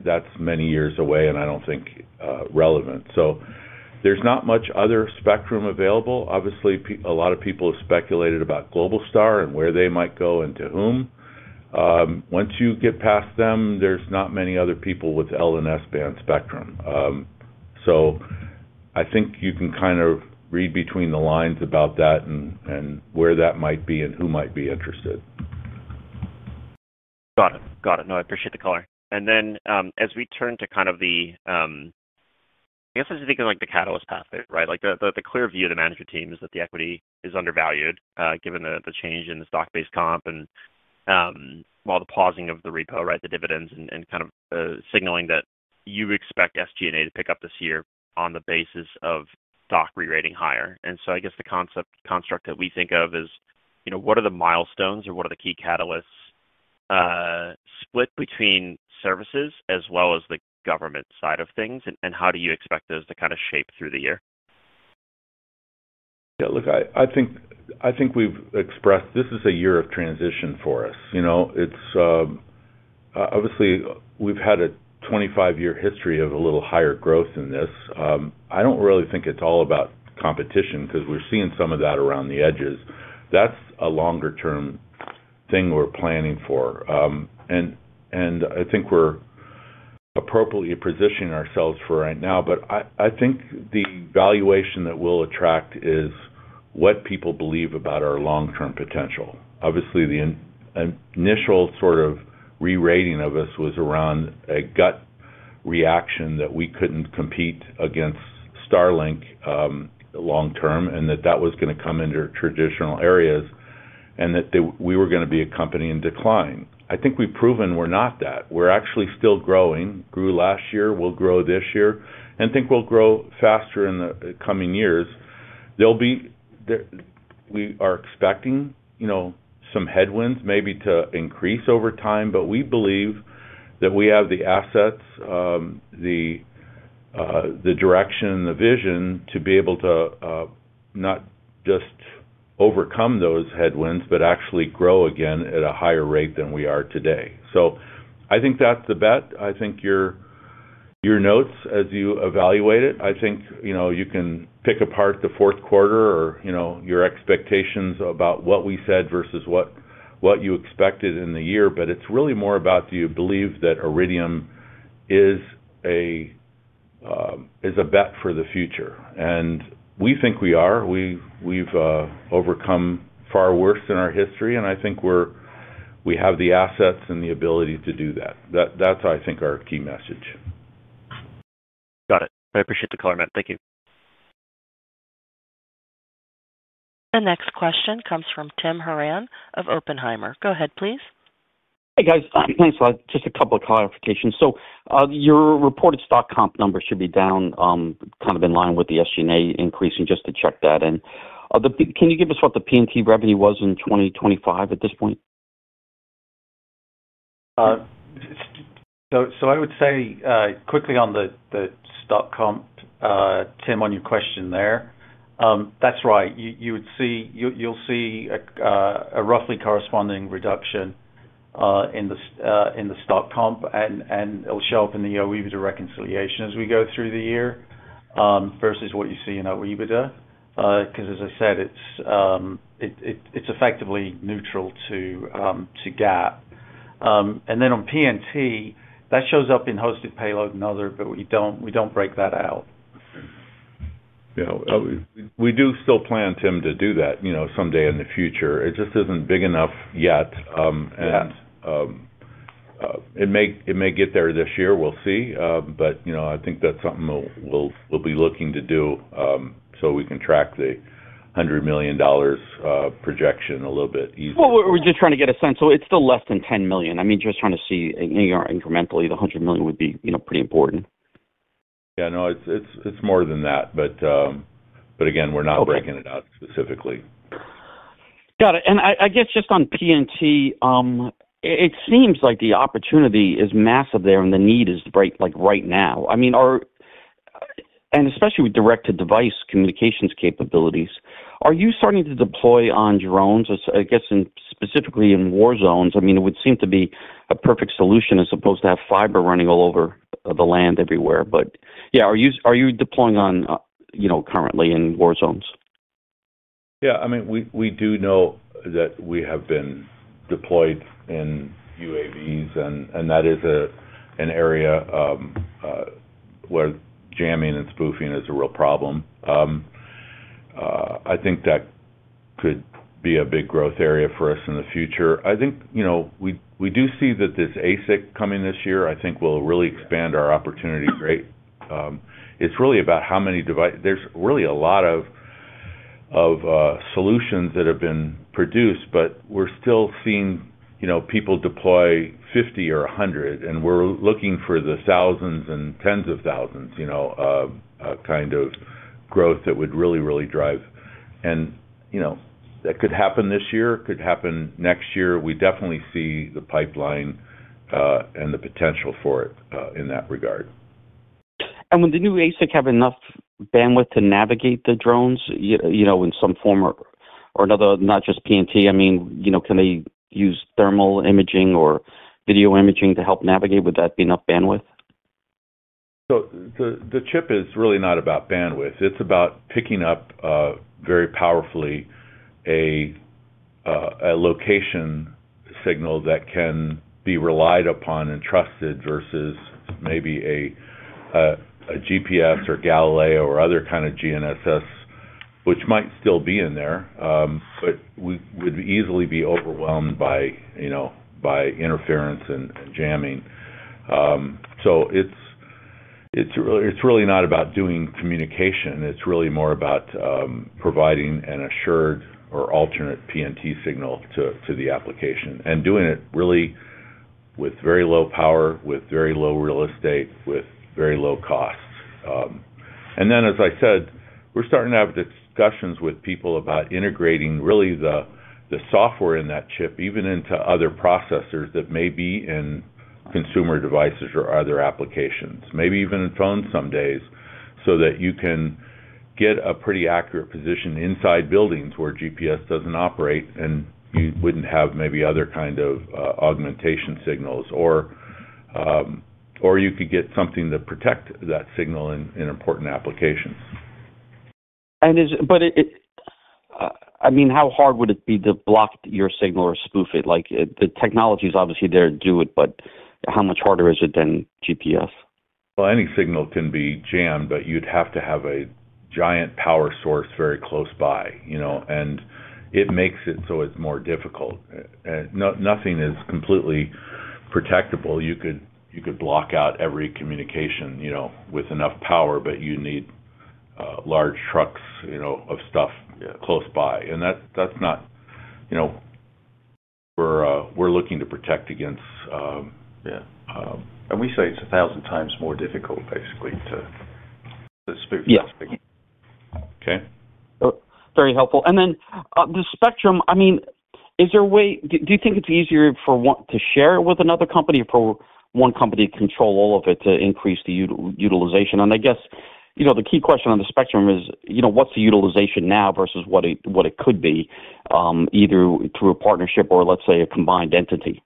that's many years away, and I don't think relevant. So there's not much other spectrum available. Obviously, a lot of people have speculated about Globalstar and where they might go and to whom. Once you get past them, there's not many other people with L-band and S-band spectrum. So, I think you can kind of read between the lines about that and where that might be and who might be interested. Got it. Got it. No, I appreciate the color. And then, as we turn to kind of the, I guess I was thinking, like, the catalyst pathway, right? Like, the clear view of the management team is that the equity is undervalued, given the change in the stock-based comp and, well, the pausing of the repo, right, the dividends, and kind of signaling that you expect SG&A to pick up this year on the basis of stock rerating higher. And so I guess the concept-construct that we think of is, you know, what are the milestones or what are the key catalysts, split between services as well as the government side of things, and how do you expect those to kind of shape through the year? Yeah, look, I think we've expressed this is a year of transition for us. You know, it's obviously we've had a 25-year history of a little higher growth in this. I don't really think it's all about competition, because we're seeing some of that around the edges. That's a longer-term thing we're planning for. And I think we're appropriately positioning ourselves for right now, but I think the valuation that we'll attract is what people believe about our long-term potential. Obviously, the initial sort of rerating of us was around a gut reaction that we couldn't compete against Starlink long term, and that was gonna come into traditional areas, and that we were gonna be a company in decline. I think we've proven we're not that. We're actually still growing. Grew last year, we'll grow this year, and think we'll grow faster in the coming years. There'll be, we are expecting, you know, some headwinds maybe to increase over time, but we believe that we have the assets, the direction, the vision to be able to not just overcome those headwinds, but actually grow again at a higher rate than we are today. So I think that's the bet. I think your notes as you evaluate it, I think, you know, you can pick apart the fourth quarter or, you know, your expectations about what we said versus what you expected in the year, but it's really more about, do you believe that Iridium is a bet for the future? And we think we are. We've overcome far worse in our history, and I think we have the assets and the ability to do that. That's, I think, our key message. Got it. I appreciate the comment. Thank you. The next question comes from Tim Horan of Oppenheimer. Go ahead, please. Hey, guys. Thanks a lot. Just a couple of clarifications. So, your reported stock comp numbers should be down, kind of in line with the SG&A increasing, just to check that in. Can you give us what the PNT revenue was in 2025 at this point? So, I would say quickly on the stock comp, Tim, on your question there, that's right. You would see, you'll see a roughly corresponding reduction in the stock comp, and it'll show up in the OIBDA reconciliation as we go through the year, versus what you see in OIBDA. 'Cause as I said, it's effectively neutral to GAAP. And then on PNT, that shows up in hosted payload and other, but we don't break that out. Yeah, we do still plan, Tim, to do that, you know, someday in the future. It just isn't big enough yet, and- Yeah. It may get there this year, we'll see. But, you know, I think that's something we'll be looking to do, so we can track the $100 million projection a little bit easier. Well, we're just trying to get a sense. So it's still less than $10 million. I mean, just trying to see, you know, incrementally, the $100 million would be, you know, pretty important. Yeah, no, it's more than that, but again, we're not- Okay. breaking it out specifically. Got it. And I guess just on PNT, it seems like the opportunity is massive there, and the need is right, like, right now. I mean, are you starting to deploy on drones, as I guess, in specifically in war zones? I mean, it would seem to be a perfect solution as opposed to have fiber running all over the land everywhere. But, yeah, are you deploying on, you know, currently in war zones? Yeah, I mean, we do know that we have been deployed in UAVs, and that is an area where jamming and spoofing is a real problem. I think that could be a big growth area for us in the future. I think, you know, we do see that this ASIC coming this year, I think, will really expand our opportunity rate. It's really about how many device-- There's really a lot of solutions that have been produced, but we're still seeing, you know, people deploy 50 or 100, and we're looking for the thousands and tens of thousands, you know, of kind of growth that would really, really drive. And, you know, that could happen this year, could happen next year. We definitely see the pipeline and the potential for it in that regard. Would the new ASIC have enough bandwidth to navigate the drones, you know, in some form or another, not just PNT? I mean, you know, can they use thermal imaging or video imaging to help navigate? Would that be enough bandwidth? So the chip is really not about bandwidth. It's about picking up very powerfully a location signal that can be relied upon and trusted versus maybe a GPS or Galileo or other kind of GNSS, which might still be in there, but would easily be overwhelmed by, you know, by interference and jamming. So it's really not about doing communication, it's really more about providing an assured or alternate PNT signal to the application, and doing it really with very low power, with very low real estate, with very low costs. And then, as I said, we're starting to have discussions with people about integrating really the software in that chip, even into other processors that may be in consumer devices or other applications. Maybe even in phones some days, so that you can get a pretty accurate position inside buildings where GPS doesn't operate, and you wouldn't have maybe other kind of augmentation signals, or you could get something to protect that signal in important applications. I mean, how hard would it be to block your signal or spoof it? Like, the technology is obviously there to do it, but how much harder is it than GPS? Well, any signal can be jammed, but you'd have to have a giant power source very close by, you know, and it makes it so it's more difficult. Nothing is completely protectable. You could block out every communication, you know, with enough power, but you need large trucks, you know, of stuff close by. And that's not what we're looking to protect against. Yeah. We say it's 1000 times more difficult, basically, to spoof. Yeah. Okay. Very helpful. And then the spectrum, I mean, is there a way? Do you think it's easier for one to share it with another company or for one company to control all of it, to increase the utilization? And I guess, you know, the key question on the spectrum is, you know, what's the utilization now versus what it could be, either through a partnership or let's say, a combined entity?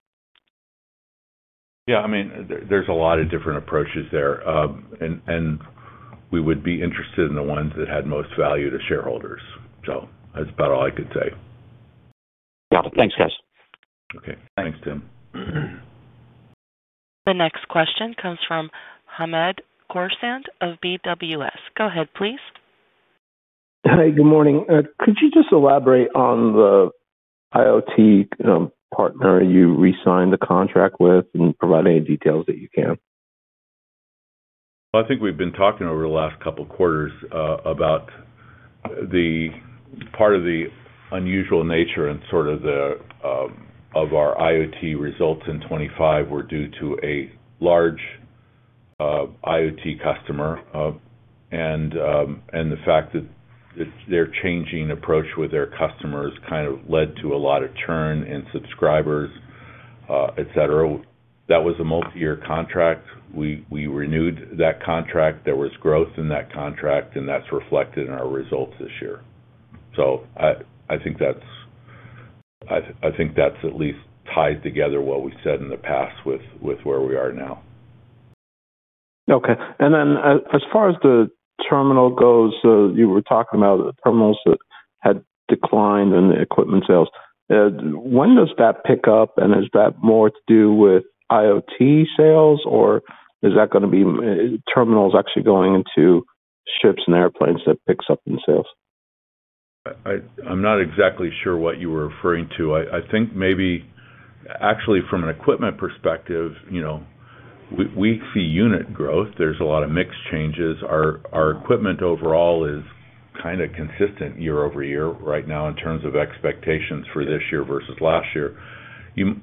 Yeah, I mean, there, there's a lot of different approaches there. And we would be interested in the ones that had most value to shareholders. So that's about all I could say. Got it. Thanks, guys. Okay. Thanks, Tim. The next question comes from Hamed Khorsand of BWS. Go ahead, please. Hi, good morning. Could you just elaborate on the IoT partner you re-signed the contract with and provide any details that you can? I think we've been talking over the last couple of quarters about the part of the unusual nature and sort of the of our IoT results in 2025 were due to a large IoT customer. And the fact that their changing approach with their customers kind of led to a lot of churn in subscribers, et cetera. That was a multi-year contract. We renewed that contract. There was growth in that contract, and that's reflected in our results this year. So I think that's at least tied together what we've said in the past with where we are now. Okay. And then, as far as the terminal goes, you were talking about terminals that had declined in the equipment sales. When does that pick up? And is that more to do with IoT sales, or is that gonna be, terminals actually going into ships and airplanes that picks up in sales? I'm not exactly sure what you were referring to. I think maybe actually from an equipment perspective, you know, we see unit growth. There's a lot of mix changes. Our equipment overall is kinda consistent year-over-year right now in terms of expectations for this year versus last year.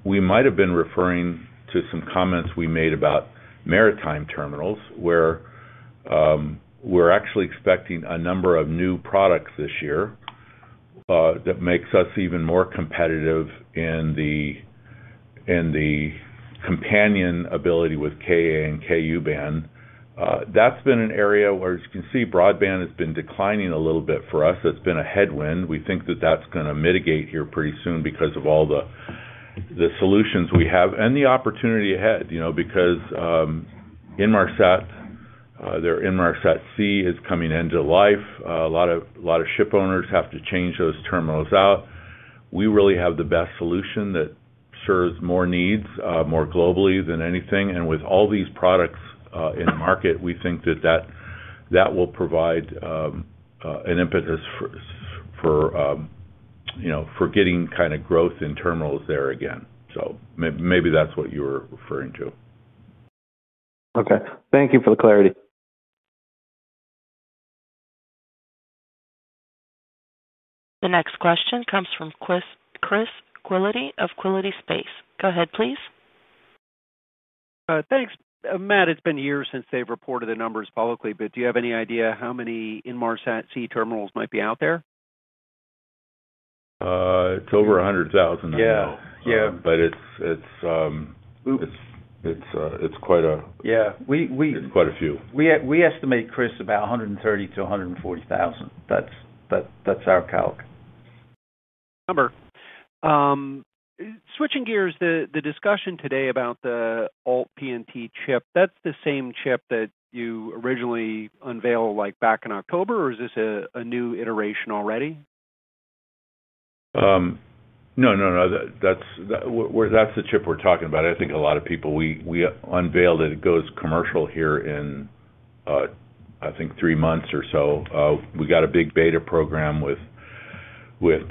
We might have been referring to some comments we made about maritime terminals, where we're actually expecting a number of new products this year that makes us even more competitive in the compatibility with Ka-band and Ku-band. That's been an area where, as you can see, broadband has been declining a little bit for us. That's been a headwind. We think that that's gonna mitigate here pretty soon because of all the solutions we have and the opportunity ahead, you know, because Inmarsat C is coming to end of life. A lot of shipowners have to change those terminals out. We really have the best solution that serves more needs more globally than anything. And with all these products in the market, we think that that will provide an impetus for you know, for getting kinda growth in terminals there again. So maybe that's what you were referring to. Okay. Thank you for the clarity. The next question comes from Chris, Chris Quilty of Quilty Space. Go ahead, please. Thanks. Matt, it's been years since they've reported the numbers publicly, but do you have any idea how many Inmarsat C terminals might be out there? It's over 100,000. Yeah. Yeah. But it's quite a- Yeah. We-we Quite a few. We estimate, Chris, about 130-140 thousand. That's our calc. Number. Switching gears, the discussion today about the alt PNT chip, that's the same chip that you originally unveiled, like, back in October, or is this a new iteration already? No, no, no. That's the chip we're talking about. I think a lot of people, we unveiled it. It goes commercial here in, I think three months or so. We got a big beta program with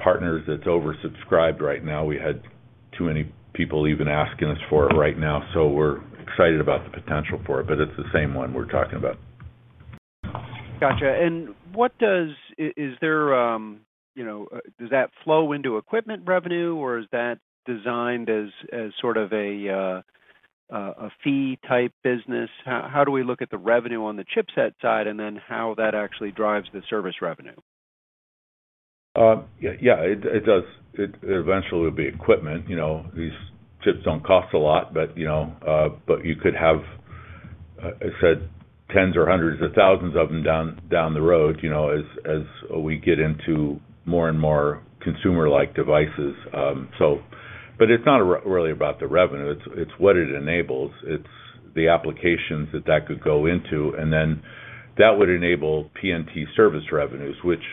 partners that's oversubscribed right now. We had too many people even asking us for it right now, so we're excited about the potential for it, but it's the same one we're talking about. Gotcha. And is there, you know, does that flow into equipment revenue, or is that designed as sort of a fee-type business? How do we look at the revenue on the chipset side, and then how that actually drives the service revenue? Yeah, yeah, it does. It eventually will be equipment. You know, these chips don't cost a lot, but, you know, but you could have, I said tens or hundreds of thousands of them down the road, you know, as we get into more and more consumer-like devices. But it's not really about the revenue, it's what it enables. It's the applications that that could go into, and that would enable PNT service revenues, which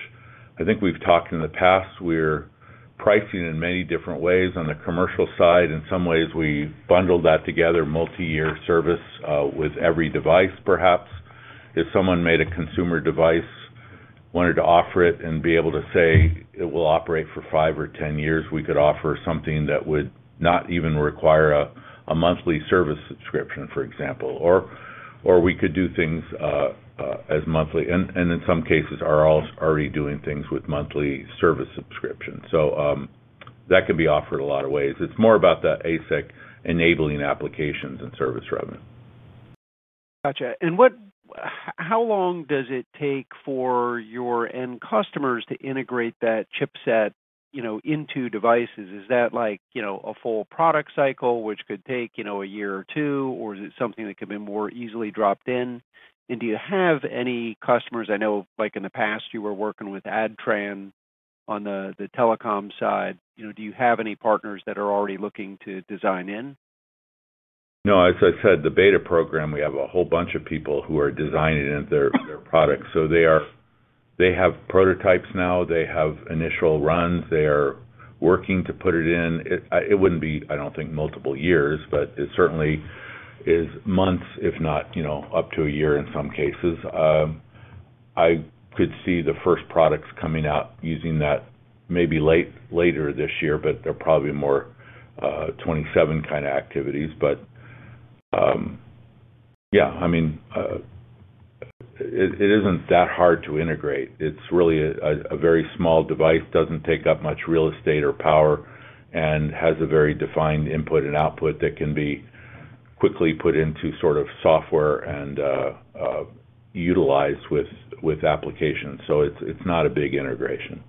I think we've talked in the past. We're pricing in many different ways on the commercial side. In some ways, we bundle that together, multi-year service with every device perhaps. If someone made a consumer device, wanted to offer it, and be able to say it will operate for five or 10 years, we could offer something that would not even require a monthly service subscription, for example. Or we could do things as monthly, and in some cases, are already doing things with monthly service subscriptions. So, that can be offered a lot of ways. It's more about the ASIC enabling applications and service revenue. Gotcha. And what- how long does it take for your end customers to integrate that chipset, you know, into devices? Is that like, you know, a full product cycle, which could take, you know, a year or two, or is it something that can be more easily dropped in? And do you have any customers- I know, like in the past, you were working with Adtran on the, the telecom side. You know, do you have any partners that are already looking to design in? No, as I said, the beta program, we have a whole bunch of people who are designing into their products. So they are. They have prototypes now. They have initial runs. They are working to put it in. It, it wouldn't be, I don't think, multiple years, but it certainly is months, if not, you know, up to a year in some cases. I could see the first products coming out using that maybe late, later this year, but they're probably more, 27 kinda activities. But, yeah, I mean, it, it isn't that hard to integrate. It's really a very small device, doesn't take up much real estate or power, and has a very defined input and output that can be quickly put into sort of software and utilized with applications. So it's, it's not a big integration.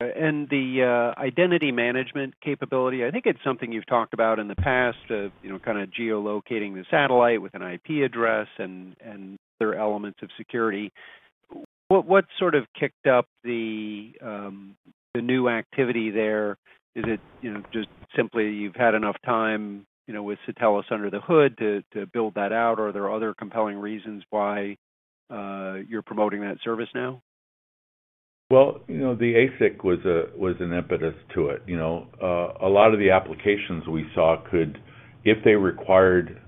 And the identity management capability, I think it's something you've talked about in the past, of, you know, kinda geolocating the satellite with an IP address and other elements of security. What sort of kicked up the new activity there? Is it, you know, just simply you've had enough time, you know, with Satelles under the hood to build that out, or are there other compelling reasons why you're promoting that service now? Well, you know, the ASIC was an impetus to it. You know, a lot of the applications we saw could, if they required,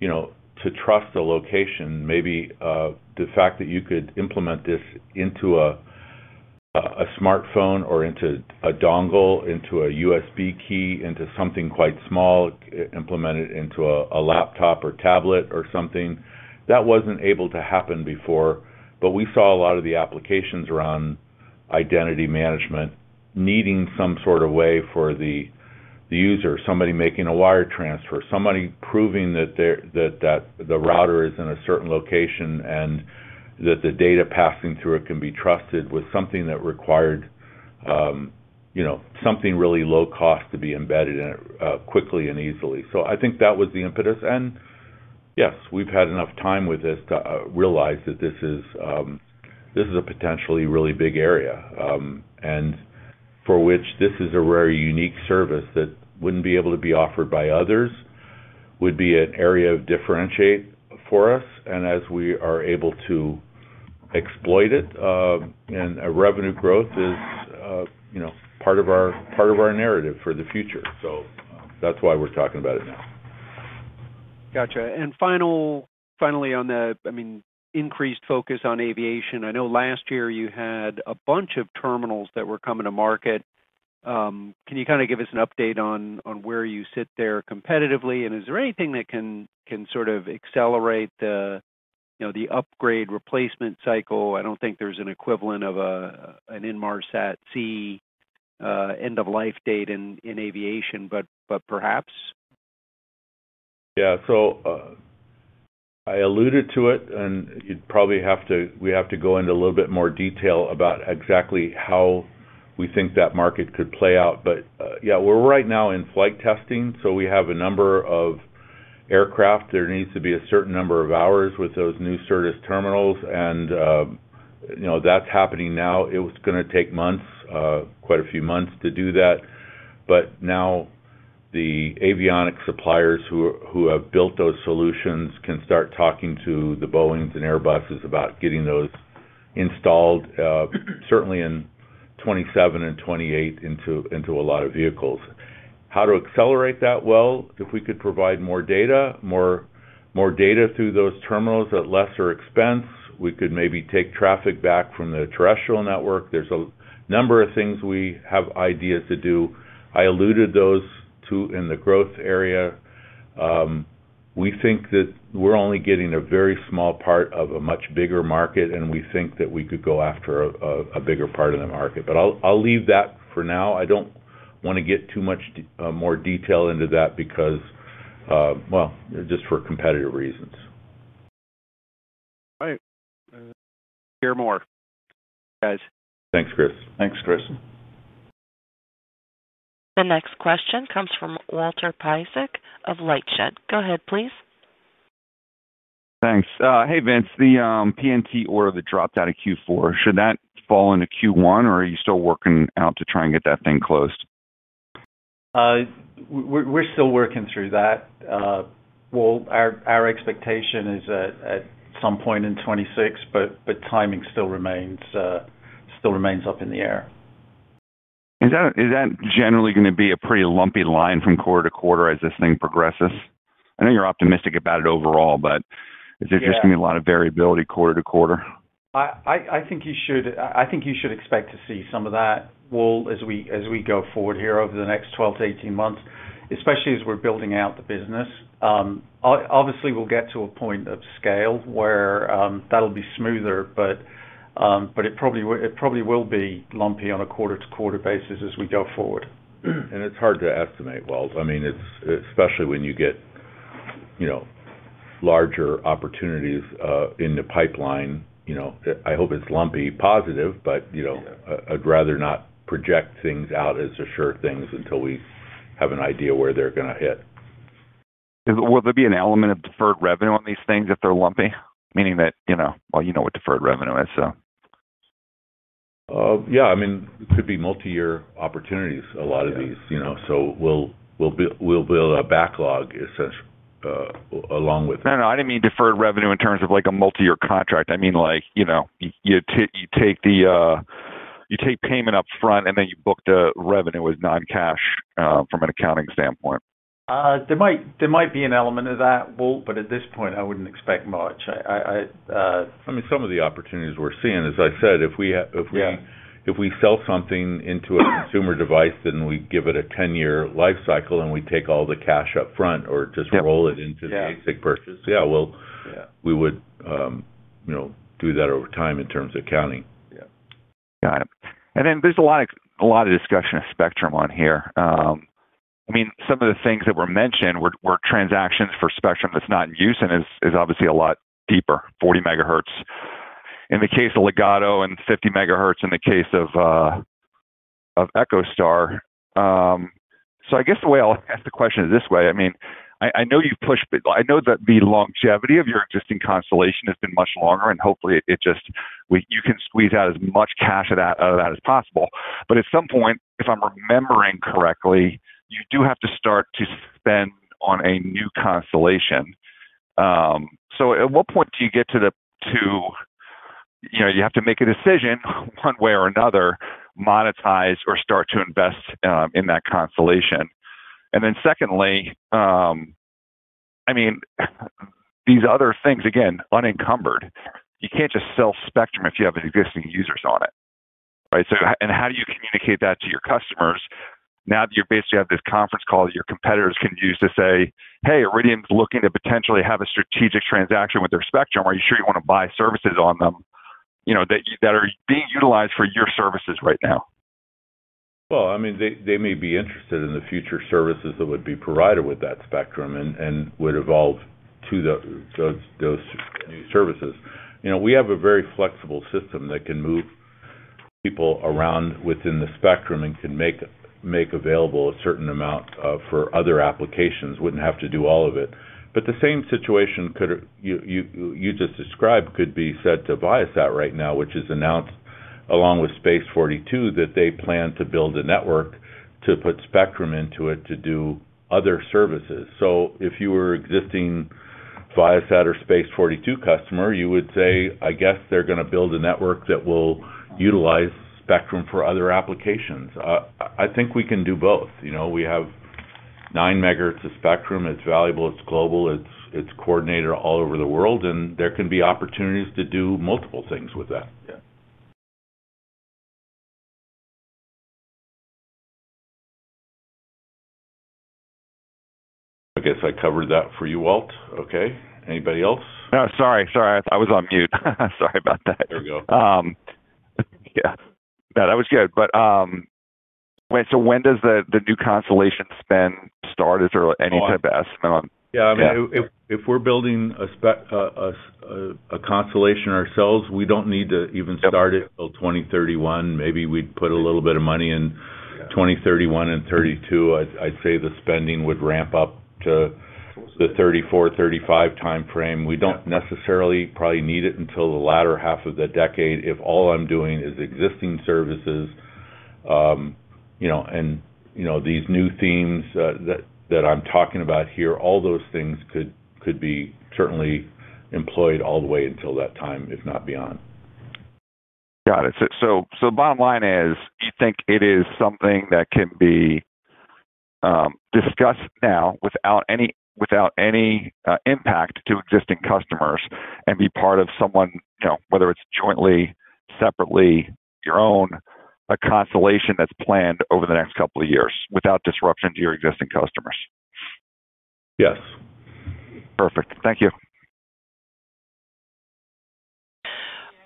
you know, to trust the location, maybe, the fact that you could implement this into a smartphone or into a dongle, into a USB key, into something quite small, implemented into a laptop or tablet or something, that wasn't able to happen before. But we saw a lot of the applications around identity management needing some sort of way for the user, somebody making a wire transfer, somebody proving that the router is in a certain location and that the data passing through it can be trusted with something that required, you know, something really low cost to be embedded in it, quickly and easily. So I think that was the impetus. And yes, we've had enough time with this to realize that this is a potentially really big area, and for which this is a very unique service that wouldn't be able to be offered by others, would be an area of differentiate for us, and as we are able to exploit it, and a revenue growth is, you know, part of our, part of our narrative for the future. So, that's why we're talking about it now. Gotcha. And finally, on the, I mean, increased focus on aviation, I know last year you had a bunch of terminals that were coming to market. Can you kinda give us an update on where you sit there competitively? And is there anything that can sort of accelerate the, you know, the upgrade replacement cycle? I don't think there's an equivalent of an Inmarsat C end-of-life date in aviation, but perhaps? Yeah. So, I alluded to it, and you'd probably have to—we have to go into a little bit more detail about exactly how we think that market could play out. But, yeah, we're right now in flight testing, so we have a number of aircraft. There needs to be a certain number of hours with those new Certus terminals, and, you know, that's happening now. It was gonna take months, quite a few months to do that. But now the avionics suppliers who have built those solutions can start talking to the Boeings and Airbuses about getting those installed, certainly in 2027 and 2028 into a lot of vehicles. How to accelerate that? Well, if we could provide more data, more, more data through those terminals at lesser expense, we could maybe take traffic back from the terrestrial network. There's a number of things we have ideas to do. I alluded those to in the growth area. We think that we're only getting a very small part of a much bigger market, and we think that we could go after a bigger part of the market. But I'll leave that for now. I don't wanna get too much more detail into that because well, just for competitive reasons. All right. Hear more, guys. Thanks, Chris. Thanks, Chris. The next question comes from Walter Piecyk of LightShed. Go ahead, please. Thanks. Hey, Vince, the PNT order that dropped out of Q4, should that fall into Q1, or are you still working out to try and get that thing closed? We're still working through that. Well, our expectation is that at some point in 2026, but timing still remains up in the air. Is that, is that generally gonna be a pretty lumpy line from quarter to quarter as this thing progresses? I know you're optimistic about it overall, but- Yeah. Is there just gonna be a lot of variability quarter to quarter? I think you should expect to see some of that, well, as we go forward here over the next 12 to 18 months, especially as we're building out the business. Obviously, we'll get to a point of scale where that'll be smoother, but it probably will be lumpy on a quarter-to-quarter basis as we go forward. It's hard to estimate, Walt. I mean, it's especially when you get, you know, larger opportunities in the pipeline, you know. I hope it's lumpy positive, but, you know- Yeah... I'd rather not project things out as assured things until we have an idea where they're gonna hit. Will there be an element of deferred revenue on these things if they're lumpy? Meaning that, you know... Well, you know what deferred revenue is, so. Yeah, I mean, it could be multiyear opportunities, a lot of these- Yeah... you know, so we'll build a backlog, essentially, along with it. No, no, I didn't mean deferred revenue in terms of, like, a multiyear contract. I mean, like, you know, you take payment up front, and then you book the revenue as non-cash from an accounting standpoint. There might be an element of that, Walt, but at this point, I wouldn't expect much. I mean, some of the opportunities we're seeing, as I said, if we ha- Yeah ... if we sell something into a consumer device, then we give it a 10-year life cycle, and we take all the cash up front or just- Yeah -roll it into the ASIC purchase. Yeah, well- Yeah... we would, you know, do that over time in terms of accounting. Yeah. Got it. And then there's a lot of, a lot of discussion of spectrum on here. I mean, some of the things that were mentioned were transactions for spectrum that's not in use and is obviously a lot deeper, 40 megahertz, in the case of Ligado and 50 megahertz, in the case of of EchoStar. So I guess the way I'll ask the question is this way: I mean, I know you've pushed, but I know that the longevity of your existing constellation has been much longer, and hopefully it just you can squeeze out as much cash of that, out of that as possible. But at some point, if I'm remembering correctly, you do have to start to spend on a new constellation. So at what point do you get to the, you know, you have to make a decision one way or another, monetize or start to invest, in that constellation? And then secondly, I mean, these other things, again, unencumbered. You can't just sell spectrum if you have existing users on it, right? So, and how do you communicate that to your customers now that you basically have this conference call your competitors can use to say, "Hey, Iridium's looking to potentially have a strategic transaction with their spectrum. Are you sure you want to buy services on them, you know, that are being utilized for your services right now? Well, I mean, they may be interested in the future services that would be provided with that spectrum and would evolve to those new services. You know, we have a very flexible system that can move people around within the spectrum and can make available a certain amount for other applications. Wouldn't have to do all of it. But the same situation you just described could be said to Viasat right now, which has announced, along with Space42, that they plan to build a network to put spectrum into it to do other services. So if you were an existing Viasat or Space42 customer, you would say, "I guess they're gonna build a network that will utilize spectrum for other applications." I think we can do both. You know, we have nine megahertz of spectrum. It's valuable, it's global, it's, it's coordinated all over the world, and there can be opportunities to do multiple things with that. Yeah. I guess I covered that for you, Walt. Okay. Anybody else? No, sorry, sorry. I was on mute. Sorry about that. There we go. Yeah, no, that was good. But, wait, so when does the new constellation spend start? Is there any type of estimate on- Yeah, I mean- Yeah... if we're building a spec, a constellation ourselves, we don't need to even start- Yep... it till 2031. Maybe we'd put a little bit of money in- Yeah... 2031 and 2032. I'd say the spending would ramp up to the 2034-2035 timeframe. Yeah. We don't necessarily probably need it until the latter half of the decade. If all I'm doing is existing services, you know, and, you know, these new themes, that I'm talking about here, all those things could be certainly employed all the way until that time, if not beyond. Got it. So, so bottom line is, you think it is something that can be, discussed now without any, without any, impact to existing customers and be part of someone, you know, whether it's jointly, separately, your own, a constellation that's planned over the next couple of years without disruption to your existing customers? Yes. Perfect. Thank you.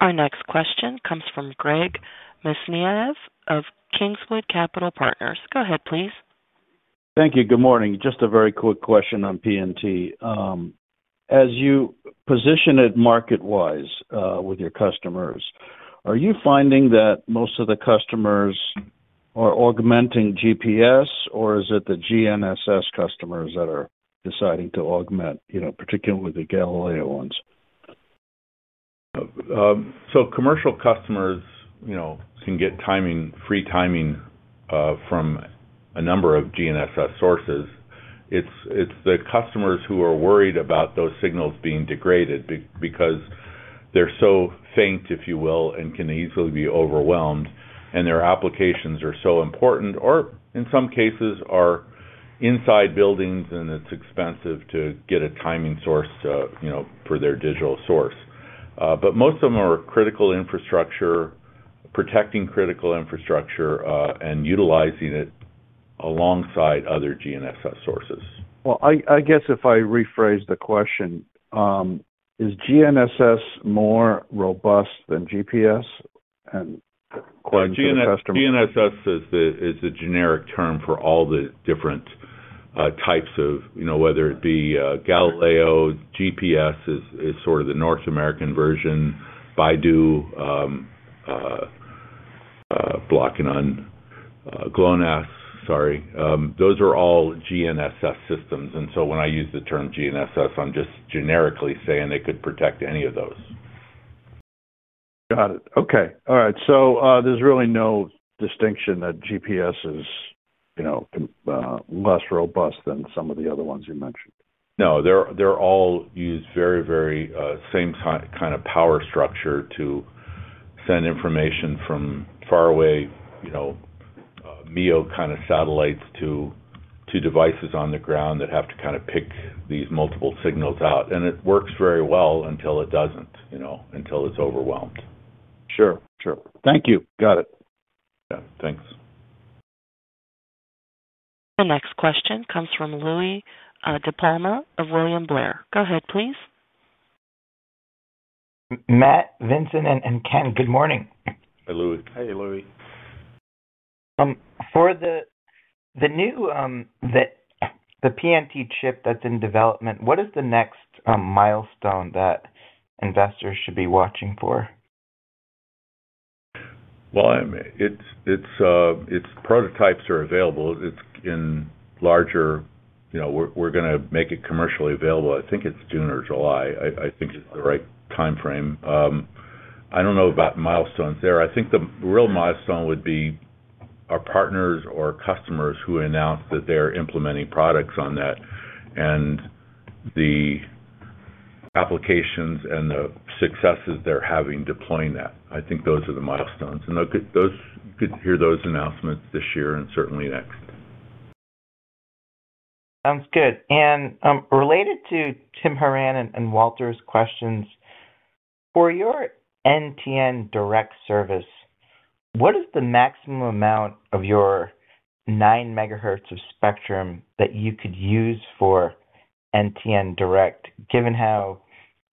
Our next question comes from Greg Mesniaeff of Kingswood Capital Markets. Go ahead, please. Thank you. Good morning. Just a very quick question on PNT. As you position it market-wise, with your customers, are you finding that most of the customers are augmenting GPS, or is it the GNSS customers that are deciding to augment, you know, particularly the Galileo ones?... So commercial customers, you know, can get timing, free timing, from a number of GNSS sources. It's the customers who are worried about those signals being degraded because they're so faint, if you will, and can easily be overwhelmed, and their applications are so important, or in some cases, are inside buildings, and it's expensive to get a timing source, you know, for their digital source. But most of them are critical infrastructure, protecting critical infrastructure, and utilizing it alongside other GNSS sources. Well, I guess if I rephrase the question, is GNSS more robust than GPS? And quite- GNSS is a generic term for all the different types of, you know, whether it be Galileo, GPS is sort of the North American version, Beidou, blanking on GLONASS, sorry. Those are all GNSS systems, and so when I use the term GNSS, I'm just generically saying they could protect any of those. Got it. Okay. All right, so there's really no distinction that GPS is, you know, less robust than some of the other ones you mentioned. No, they're all used very, very same kind of power structure to send information from far away, you know, MEO kind of satellites to devices on the ground that have to kind of pick these multiple signals out, and it works very well until it doesn't, you know, until it's overwhelmed. Sure. Sure. Thank you. Got it. Yeah, thanks. The next question comes from Louie DiPalma of William Blair. Go ahead, please. Matt, Vincent, and Ken, good morning. Hey, Louie. Hey, Louie. For the new PNT chip that's in development, what is the next milestone that investors should be watching for? Well, I mean, it's prototypes are available. It's in larger... You know, we're gonna make it commercially available. I think it's June or July. I think is the right time frame. I don't know about milestones there. I think the real milestone would be our partners or customers who announce that they're implementing products on that, and the applications and the successes they're having deploying that. I think those are the milestones, and they'll get those you could hear those announcements this year and certainly next. Sounds good. Related to Tim Horan and Walter's questions, for your NTN Direct service, what is the maximum amount of your nine megahertz of spectrum that you could use for NTN Direct, given how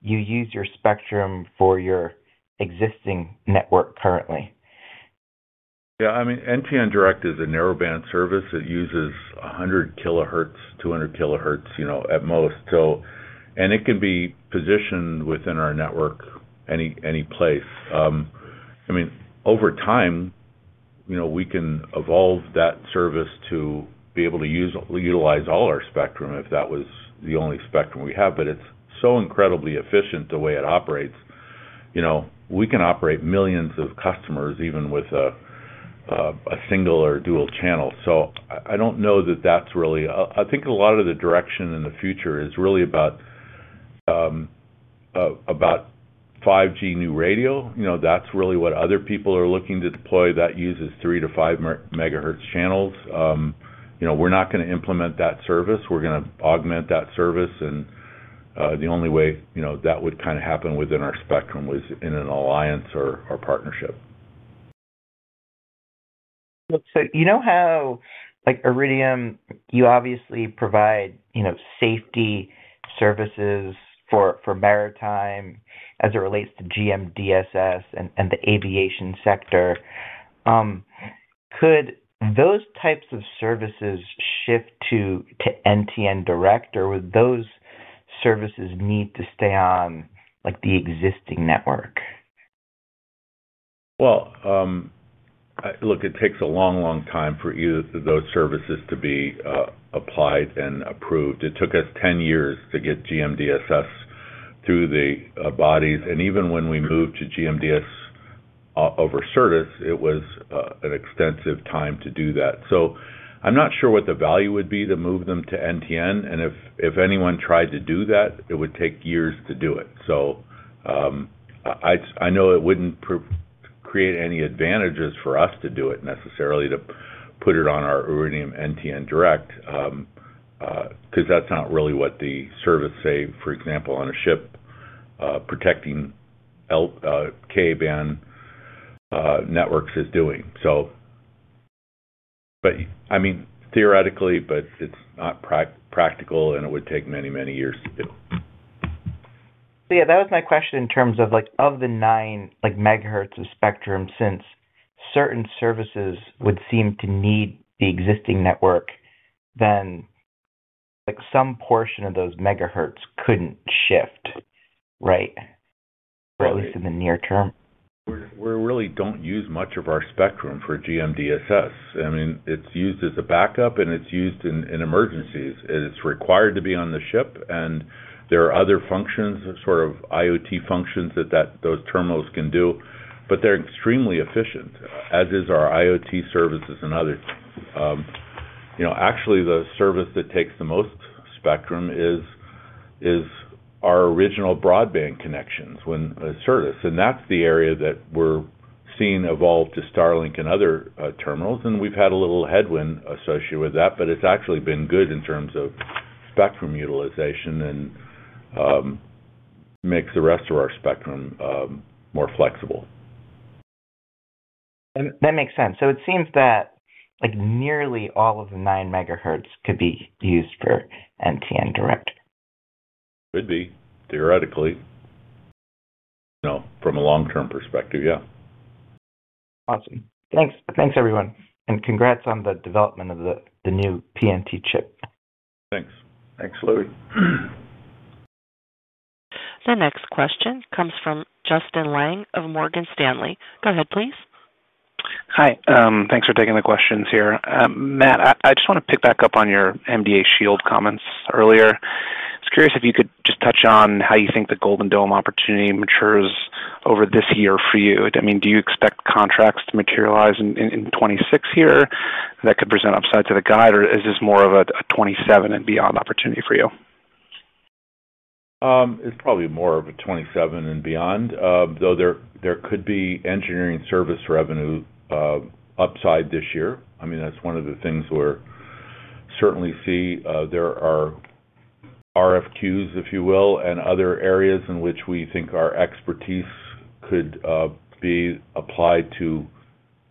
you use your spectrum for your existing network currently? Yeah, I mean, NTN Direct is a narrowband service. It uses 100 kilohertz, 200 kilohertz, you know, at most, so, and it can be positioned within our network any, any place. I mean, over time, you know, we can evolve that service to be able to use, utilize all our spectrum if that was the only spectrum we have, but it's so incredibly efficient, the way it operates. You know, we can operate millions of customers, even with a, a single or dual channel. So I, I don't know that that's really... I, I think a lot of the direction in the future is really about, about 5G new radio. You know, that's really what other people are looking to deploy, that uses three-to-five megahertz channels. You know, we're not gonna implement that service. We're gonna augment that service, and, the only way, you know, that would kind of happen within our spectrum was in an alliance or, or partnership. So you know how, like Iridium, you obviously provide, you know, safety services for maritime as it relates to GMDSS and the aviation sector. Could those types of services shift to NTN Direct, or would those services need to stay on, like, the existing network? Well, look, it takes a long, long time for those services to be applied and approved. It took us 10 years to get GMDSS through the bodies, and even when we moved to GMDSS over service, it was an extensive time to do that. So I'm not sure what the value would be to move them to NTN, and if anyone tried to do that, it would take years to do it. So I know it wouldn't produce any advantages for us to do it necessarily, to put it on our Iridium NTN Direct, because that's not really what the service, say, for example, on a ship, protecting L-band, Ka-band networks is doing. So, but, I mean, theoretically, but it's not practical, and it would take many, many years to do. Yeah, that was my question in terms of like, of the 9, like, megahertz of spectrum, since certain services would seem to need the existing network, then, like, some portion of those megahertz couldn't shift, right? Or at least in the near term. ...We really don't use much of our spectrum for GMDSS. I mean, it's used as a backup, and it's used in emergencies. It's required to be on the ship, and there are other functions, sort of IoT functions, that those terminals can do, but they're extremely efficient, as is our IoT services and others. You know, actually, the service that takes the most spectrum is our original broadband connections when a service. And that's the area that we're seeing evolve to Starlink and other terminals, and we've had a little headwind associated with that, but it's actually been good in terms of spectrum utilization and makes the rest of our spectrum more flexible. That makes sense. So it seems that, like, nearly all of the 9 megahertz could be used for NTN Direct. Could be, theoretically. You know, from a long-term perspective, yeah. Awesome. Thanks. Thanks, everyone. Congrats on the development of the new PNT chip. Thanks. Thanks, Louie. The next question comes from Justin Lang of Morgan Stanley. Go ahead, please. Hi. Thanks for taking the questions here. Matt, I just want to pick back up on your SDA Shield comments earlier. I was curious if you could just touch on how you think the Golden Dome opportunity matures over this year for you. I mean, do you expect contracts to materialize in 2026 here that could present upside to the guide, or is this more of a 2027 and beyond opportunity for you? It's probably more of a 27 and beyond. Though there, there could be engineering service revenue upside this year. I mean, that's one of the things we're certainly see, there are RFQs, if you will, and other areas in which we think our expertise could be applied to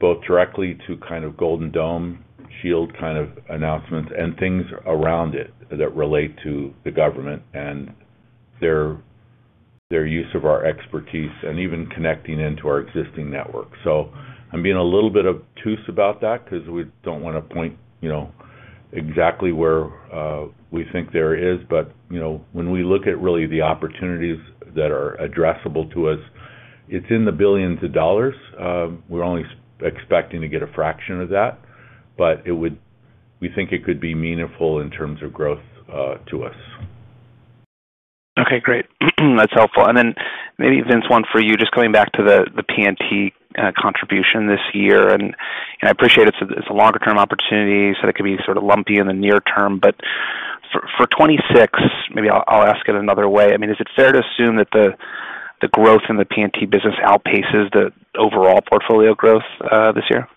both directly to kind of Golden Dome Shield kind of announcements and things around it that relate to the government and their, their use of our expertise and even connecting into our existing network. So I'm being a little bit obtuse about that because we don't want to point, you know, exactly where we think there is. But, you know, when we look at really the opportunities that are addressable to us, it's in the $ billions. We're only expecting to get a fraction of that, but it would, we think it could be meaningful in terms of growth to us. Okay, great. That's helpful. And then maybe, Vince, one for you, just coming back to the, the PNT contribution this year, and I appreciate it's a, it's a longer term opportunity, so it could be sort of lumpy in the near term, but for, for 2026, maybe I'll, I'll ask it another way. I mean, is it fair to assume that the, the growth in the PNT business outpaces the overall portfolio growth, this year?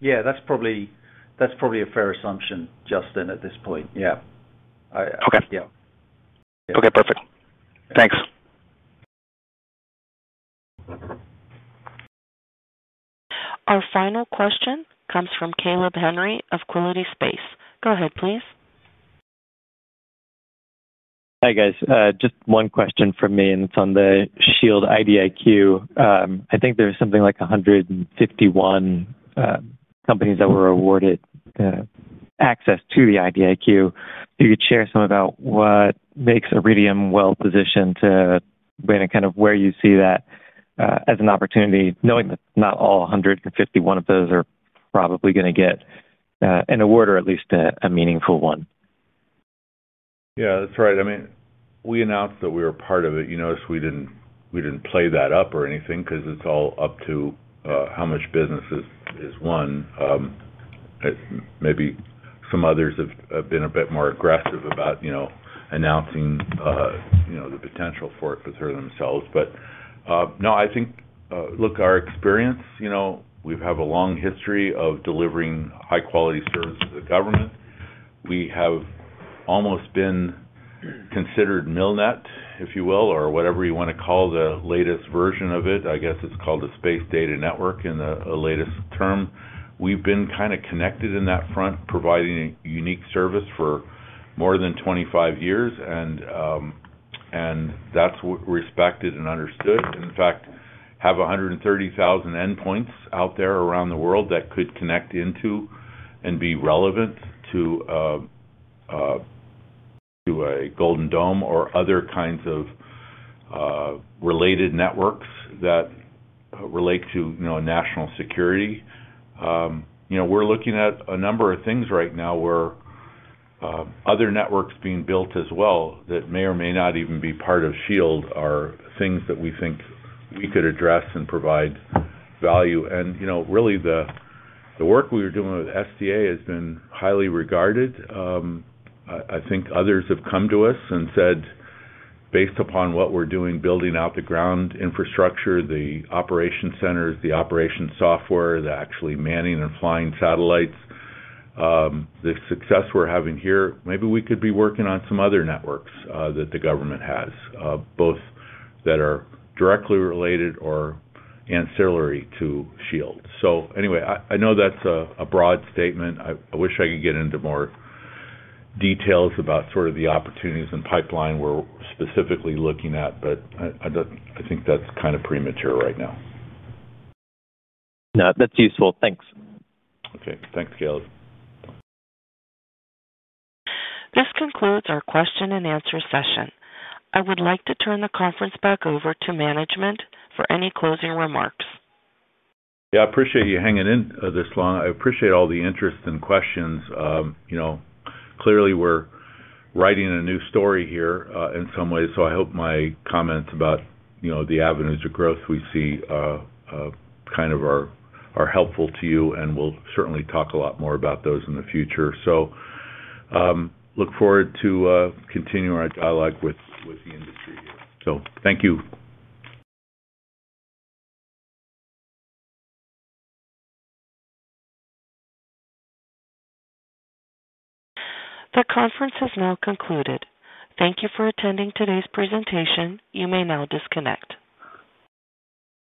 Yeah, that's probably a fair assumption, Justin, at this point. Yeah. Okay. Yeah. Okay, perfect. Thanks. Our final question comes from Caleb Henry of Quilty Space. Go ahead, please. Hi, guys. Just one question from me, and it's on the Shield IDIQ. I think there's something like 151 companies that were awarded access to the IDIQ. Do you share some about what makes Iridium well positioned to win and kind of where you see that as an opportunity, knowing that not all 151 of those are probably going to get an award or at least a meaningful one? Yeah, that's right. I mean, we announced that we were part of it. You notice we didn't play that up or anything because it's all up to how much business is won. Maybe some others have been a bit more aggressive about, you know, announcing, you know, the potential for it for themselves. But, no, I think, look, our experience, you know, we have a long history of delivering high-quality service to the government. We have almost been considered MILNET, if you will, or whatever you want to call the latest version of it. I guess it's called the Space Data Network in the latest term. We've been kind of connected in that front, providing a unique service for more than 25 years, and that's respected and understood. In fact, have 130,000 endpoints out there around the world that could connect into and be relevant to a Golden Dome or other kinds of related networks that relate to, you know, national security. You know, we're looking at a number of things right now where other networks being built as well, that may or may not even be part of Shield, are things that we think we could address and provide value. And, you know, really, the work we were doing with SDA has been highly regarded. I think others have come to us and said, "Based upon what we're doing, building out the ground infrastructure, the operation centers, the operation software, the actually manning and flying satellites, the success we're having here, maybe we could be working on some other networks that the government has, both that are directly related or ancillary to Shield." So anyway, I know that's a broad statement. I wish I could get into more details about sort of the opportunities and pipeline we're specifically looking at, but I don't, I think that's kind of premature right now. No, that's useful. Thanks. Okay. Thanks, Caleb. This concludes our question and answer session. I would like to turn the conference back over to management for any closing remarks. Yeah, I appreciate you hanging in this long. I appreciate all the interest and questions. You know, clearly, we're writing a new story here in some ways, so I hope my comments about, you know, the avenues of growth we see kind of are helpful to you, and we'll certainly talk a lot more about those in the future. So, look forward to continuing our dialogue with the industry here. So thank you. The conference has now concluded. Thank you for attending today's presentation. You may now disconnect.